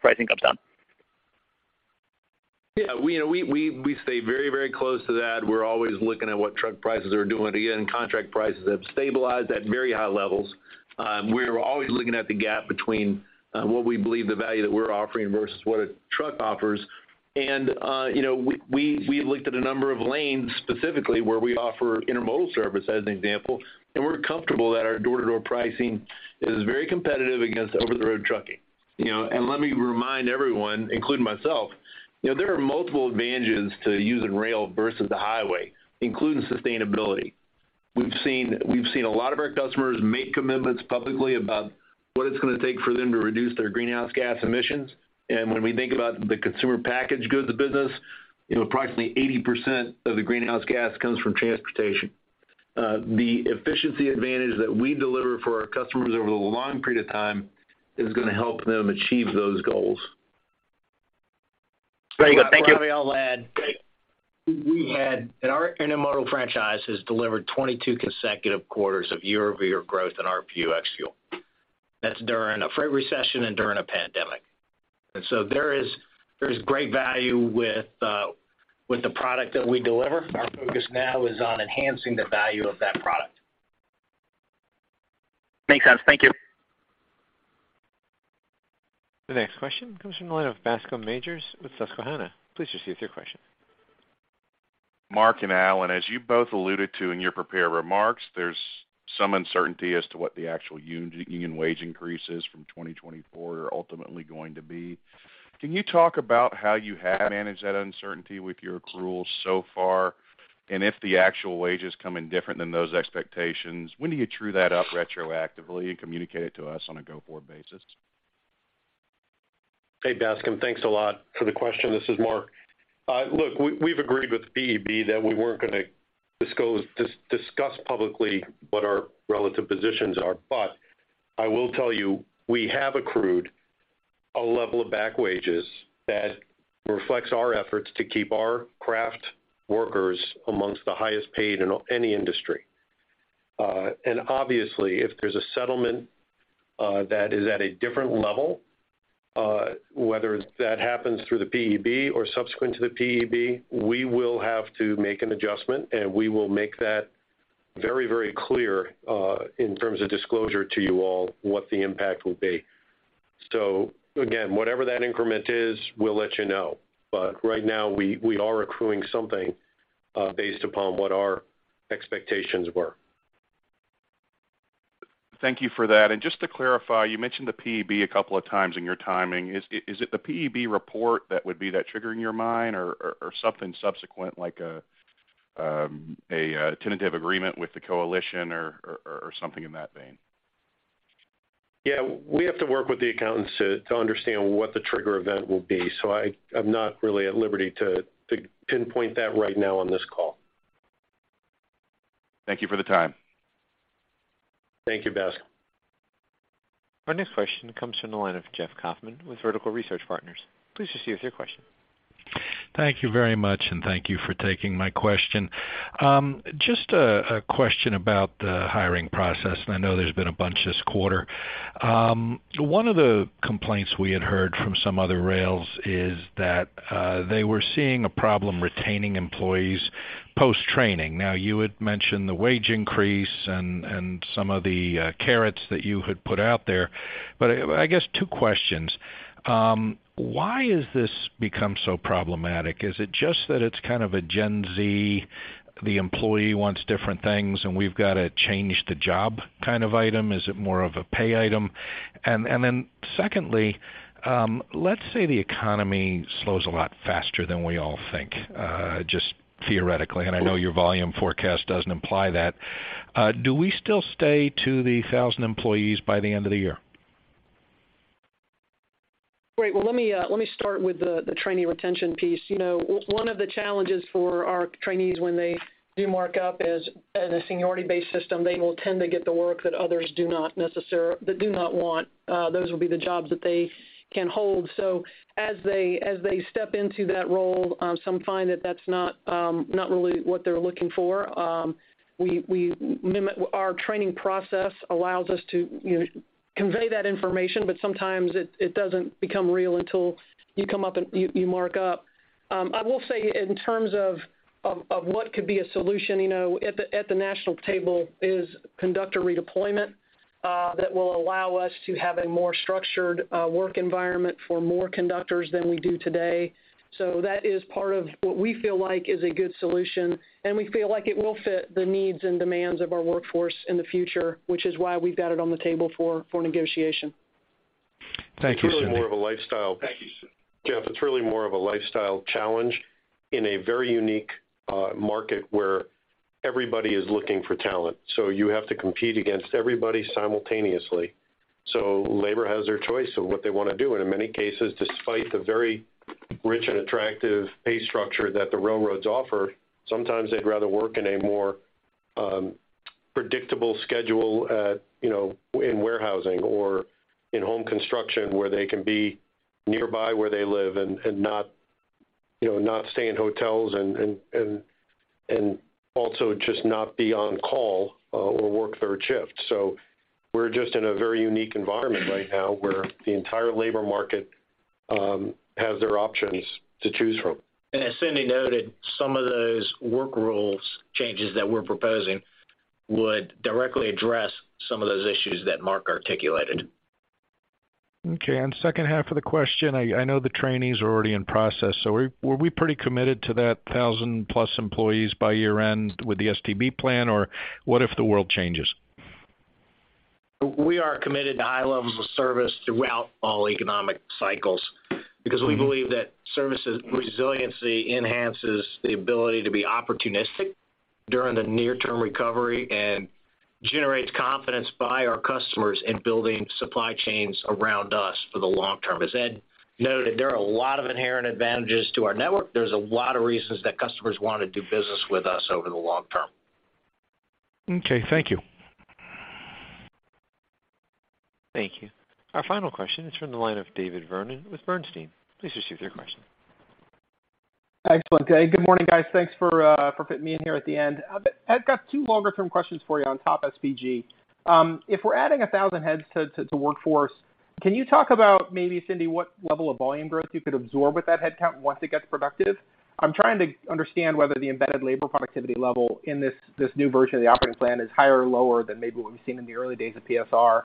pricing comes down? We stay very, very close to that. We're always looking at what truck prices are doing. Again, contract prices have stabilized at very high levels. We're always looking at the gap between what we believe the value that we're offering versus what a truck offers. You know, we have looked at a number of lanes specifically where we offer intermodal service as an example, and we're comfortable that our door-to-door pricing is very competitive against over-the-road trucking. You know, let me remind everyone, including myself, you know, there are multiple advantages to using rail versus the highway, including sustainability. We've seen a lot of our customers make commitments publicly about what it's gonna take for them to reduce their greenhouse gas emissions. When we think about the consumer package goods business, you know, approximately 80% of the greenhouse gas comes from transportation. The efficiency advantage that we deliver for our customers over a long period of time is gonna help them achieve those goals. Very good. Thank you. Ravi Shanker, I'll add, in our intermodal franchise has delivered 22 consecutive quarters of year-over-year growth in our RPU ex-fuel. That's during a freight recession and during a pandemic. There is great value with the product that we deliver. Our focus now is on enhancing the value of that product. Makes sense. Thank you. The next question comes from the line of Bascome Majors with Susquehanna. Please proceed with your question. Mark and Alan, as you both alluded to in your prepared remarks, there's some uncertainty as to what the actual union wage increases from 2024 are ultimately going to be. Can you talk about how you have managed that uncertainty with your accrual so far? If the actual wages come in different than those expectations, when do you true that up retroactively and communicate it to us on a go-forward basis? Hey, Bascome. Thanks a lot for the question. This is Mark. Look, we've agreed with PEB that we weren't gonna disclose or discuss publicly what our relative positions are. I will tell you, we have accrued a level of back wages that reflects our efforts to keep our craft workers among the highest paid in any industry. Obviously, if there's a settlement that is at a different level, whether that happens through the PEB or subsequent to the PEB, we will have to make an adjustment, and we will make that very, very clear in terms of disclosure to you all, what the impact will be. Again, whatever that increment is, we'll let you know. Right now we are accruing something based upon what our expectations were. Thank you for that. Just to clarify, you mentioned the PEB a couple of times in your timing. Is it the PEB report that would be that trigger in your mind or something subsequent like a tentative agreement with the coalition or something in that vein? Yeah. We have to work with the accountants to understand what the trigger event will be. I'm not really at liberty to pinpoint that right now on this call. Thank you for the time. Thank you, Bascome. Our next question comes from the line of Jeff Kauffman with Vertical Research Partners. Please proceed with your question. Thank you very much, and thank you for taking my question. Just a question about the hiring process, and I know there's been a bunch this quarter. One of the complaints we had heard from some other rails is that they were seeing a problem retaining employees post-training. Now, you had mentioned the wage increase and some of the carrots that you had put out there. But I guess two questions. Why has this become so problematic? Is it just that it's kind of a Gen Z, the employee wants different things, and we've got to change the job kind of item? Is it more of a pay item? And then secondly, let's say the economy slows a lot faster than we all think, just theoretically, and I know your volume forecast doesn't imply that. Do we still stay at the 1,000 employees by the end of the year? Great. Well, let me start with the trainee retention piece. You know, one of the challenges for our trainees when they do mark up is, as a seniority-based system, they will tend to get the work that others do not want. Those will be the jobs that they can hold. As they step into that role, some find that that's not really what they're looking for. Our training process allows us to, you know, convey that information, but sometimes it doesn't become real until you come up and you mark up. I will say in terms of what could be a solution, you know, at the national table is conductor redeployment, that will allow us to have a more structured work environment for more conductors than we do today. That is part of what we feel like is a good solution, and we feel like it will fit the needs and demands of our workforce in the future, which is why we've got it on the table for negotiation. Thank you, Cynthia. It's really more of a lifestyle. Jeff, it's really more of a lifestyle challenge in a very unique market where everybody is looking for talent. You have to compete against everybody simultaneously. Labor has their choice of what they wanna do. In many cases, despite the very rich and attractive pay structure that the railroads offer, sometimes they'd rather work in a more predictable schedule, you know, in warehousing or in home construction where they can be nearby where they live and also just not be on call or work third shift. We're just in a very unique environment right now where the entire labor market have their options to choose from. As Cynthia noted, some of those work rules changes that we're proposing would directly address some of those issues that Mark articulated. Okay. Second half of the question, I know the trainees are already in process, so were we pretty committed to that 1,000-plus employees by year-end with the STB plan, or what if the world changes? We are committed to high levels of service throughout all economic cycles because we believe that services resiliency enhances the ability to be opportunistic during the near-term recovery and generates confidence by our customers in building supply chains around us for the long term. As Ed noted, there are a lot of inherent advantages to our network. There's a lot of reasons that customers wanna do business with us over the long term. Okay, thank you. Thank you. Our final question is from the line of David Vernon with Bernstein. Please proceed with your question. Excellent. Good morning, guys. Thanks for fitting me in here at the end. I've got two longer term questions for you on TOP SPG. If we're adding 1,000 heads to workforce, can you talk about maybe, Cynthia, what level of volume growth you could absorb with that headcount once it gets productive? I'm trying to understand whether the embedded labor productivity level in this new version of the operating plan is higher or lower than maybe what we've seen in the early days of PSR.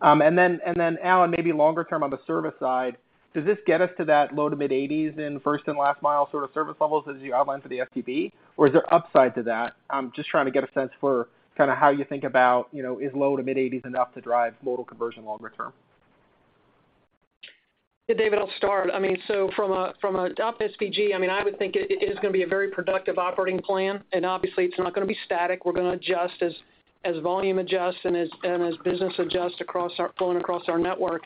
Alan, maybe longer term on the service side, does this get us to that low-to-mid 80s in first and last mile sort of service levels as you outlined for the STB, or is there upside to that? I'm just trying to get a sense for kind of how you think about, you know, is low to mid-80s enough to drive modal conversion longer term? Yeah, David, I'll start. I mean, so from a TOP SPG, I mean, I would think it is gonna be a very productive operating plan, and obviously it's not gonna be static. We're gonna adjust as volume adjusts and as business adjusts flowing across our network.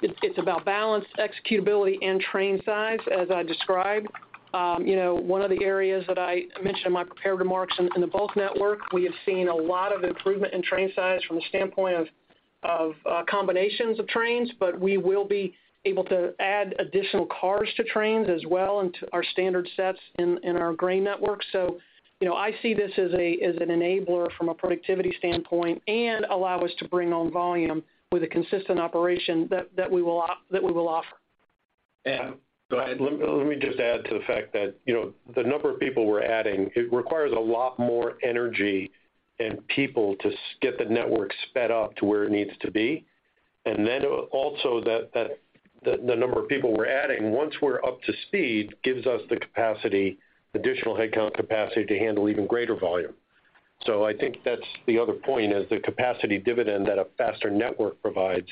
It's about balance, executability and train size, as I described. You know, one of the areas that I mentioned in my prepared remarks in the bulk network, we have seen a lot of improvement in train size from the standpoint of combinations of trains, but we will be able to add additional cars to trains as well into our standard sets in our grain network. You know, I see this as an enabler from a productivity standpoint and allow us to bring on volume with a consistent operation that we will offer. And- Go ahead. Let me just add to the fact that, you know, the number of people we're adding, it requires a lot more energy and people to get the network sped up to where it needs to be. That the number of people we're adding, once we're up to speed, gives us the capacity, additional headcount capacity to handle even greater volume. I think that's the other point is the capacity dividend that a faster network provides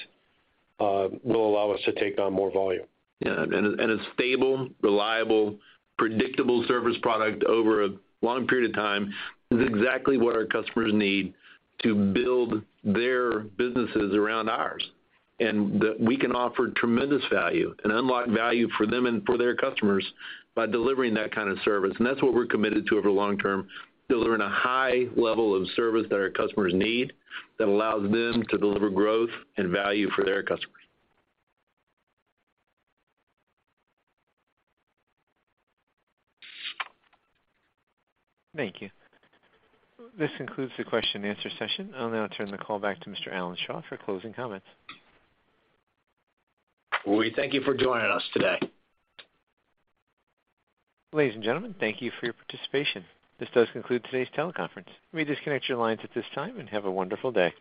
will allow us to take on more volume. A stable, reliable, predictable service product over a long period of time is exactly what our customers need to build their businesses around ours. That we can offer tremendous value and unlock value for them and for their customers by delivering that kind of service. That's what we're committed to over long term, delivering a high level of service that our customers need that allows them to deliver growth and value for their customers. Thank you. This concludes the question and answer session. I'll now turn the call back to Mr. Alan Shaw for closing comments. We thank you for joining us today. Ladies and gentlemen, thank you for your participation. This does conclude today's teleconference. You may disconnect your lines at this time, and have a wonderful day.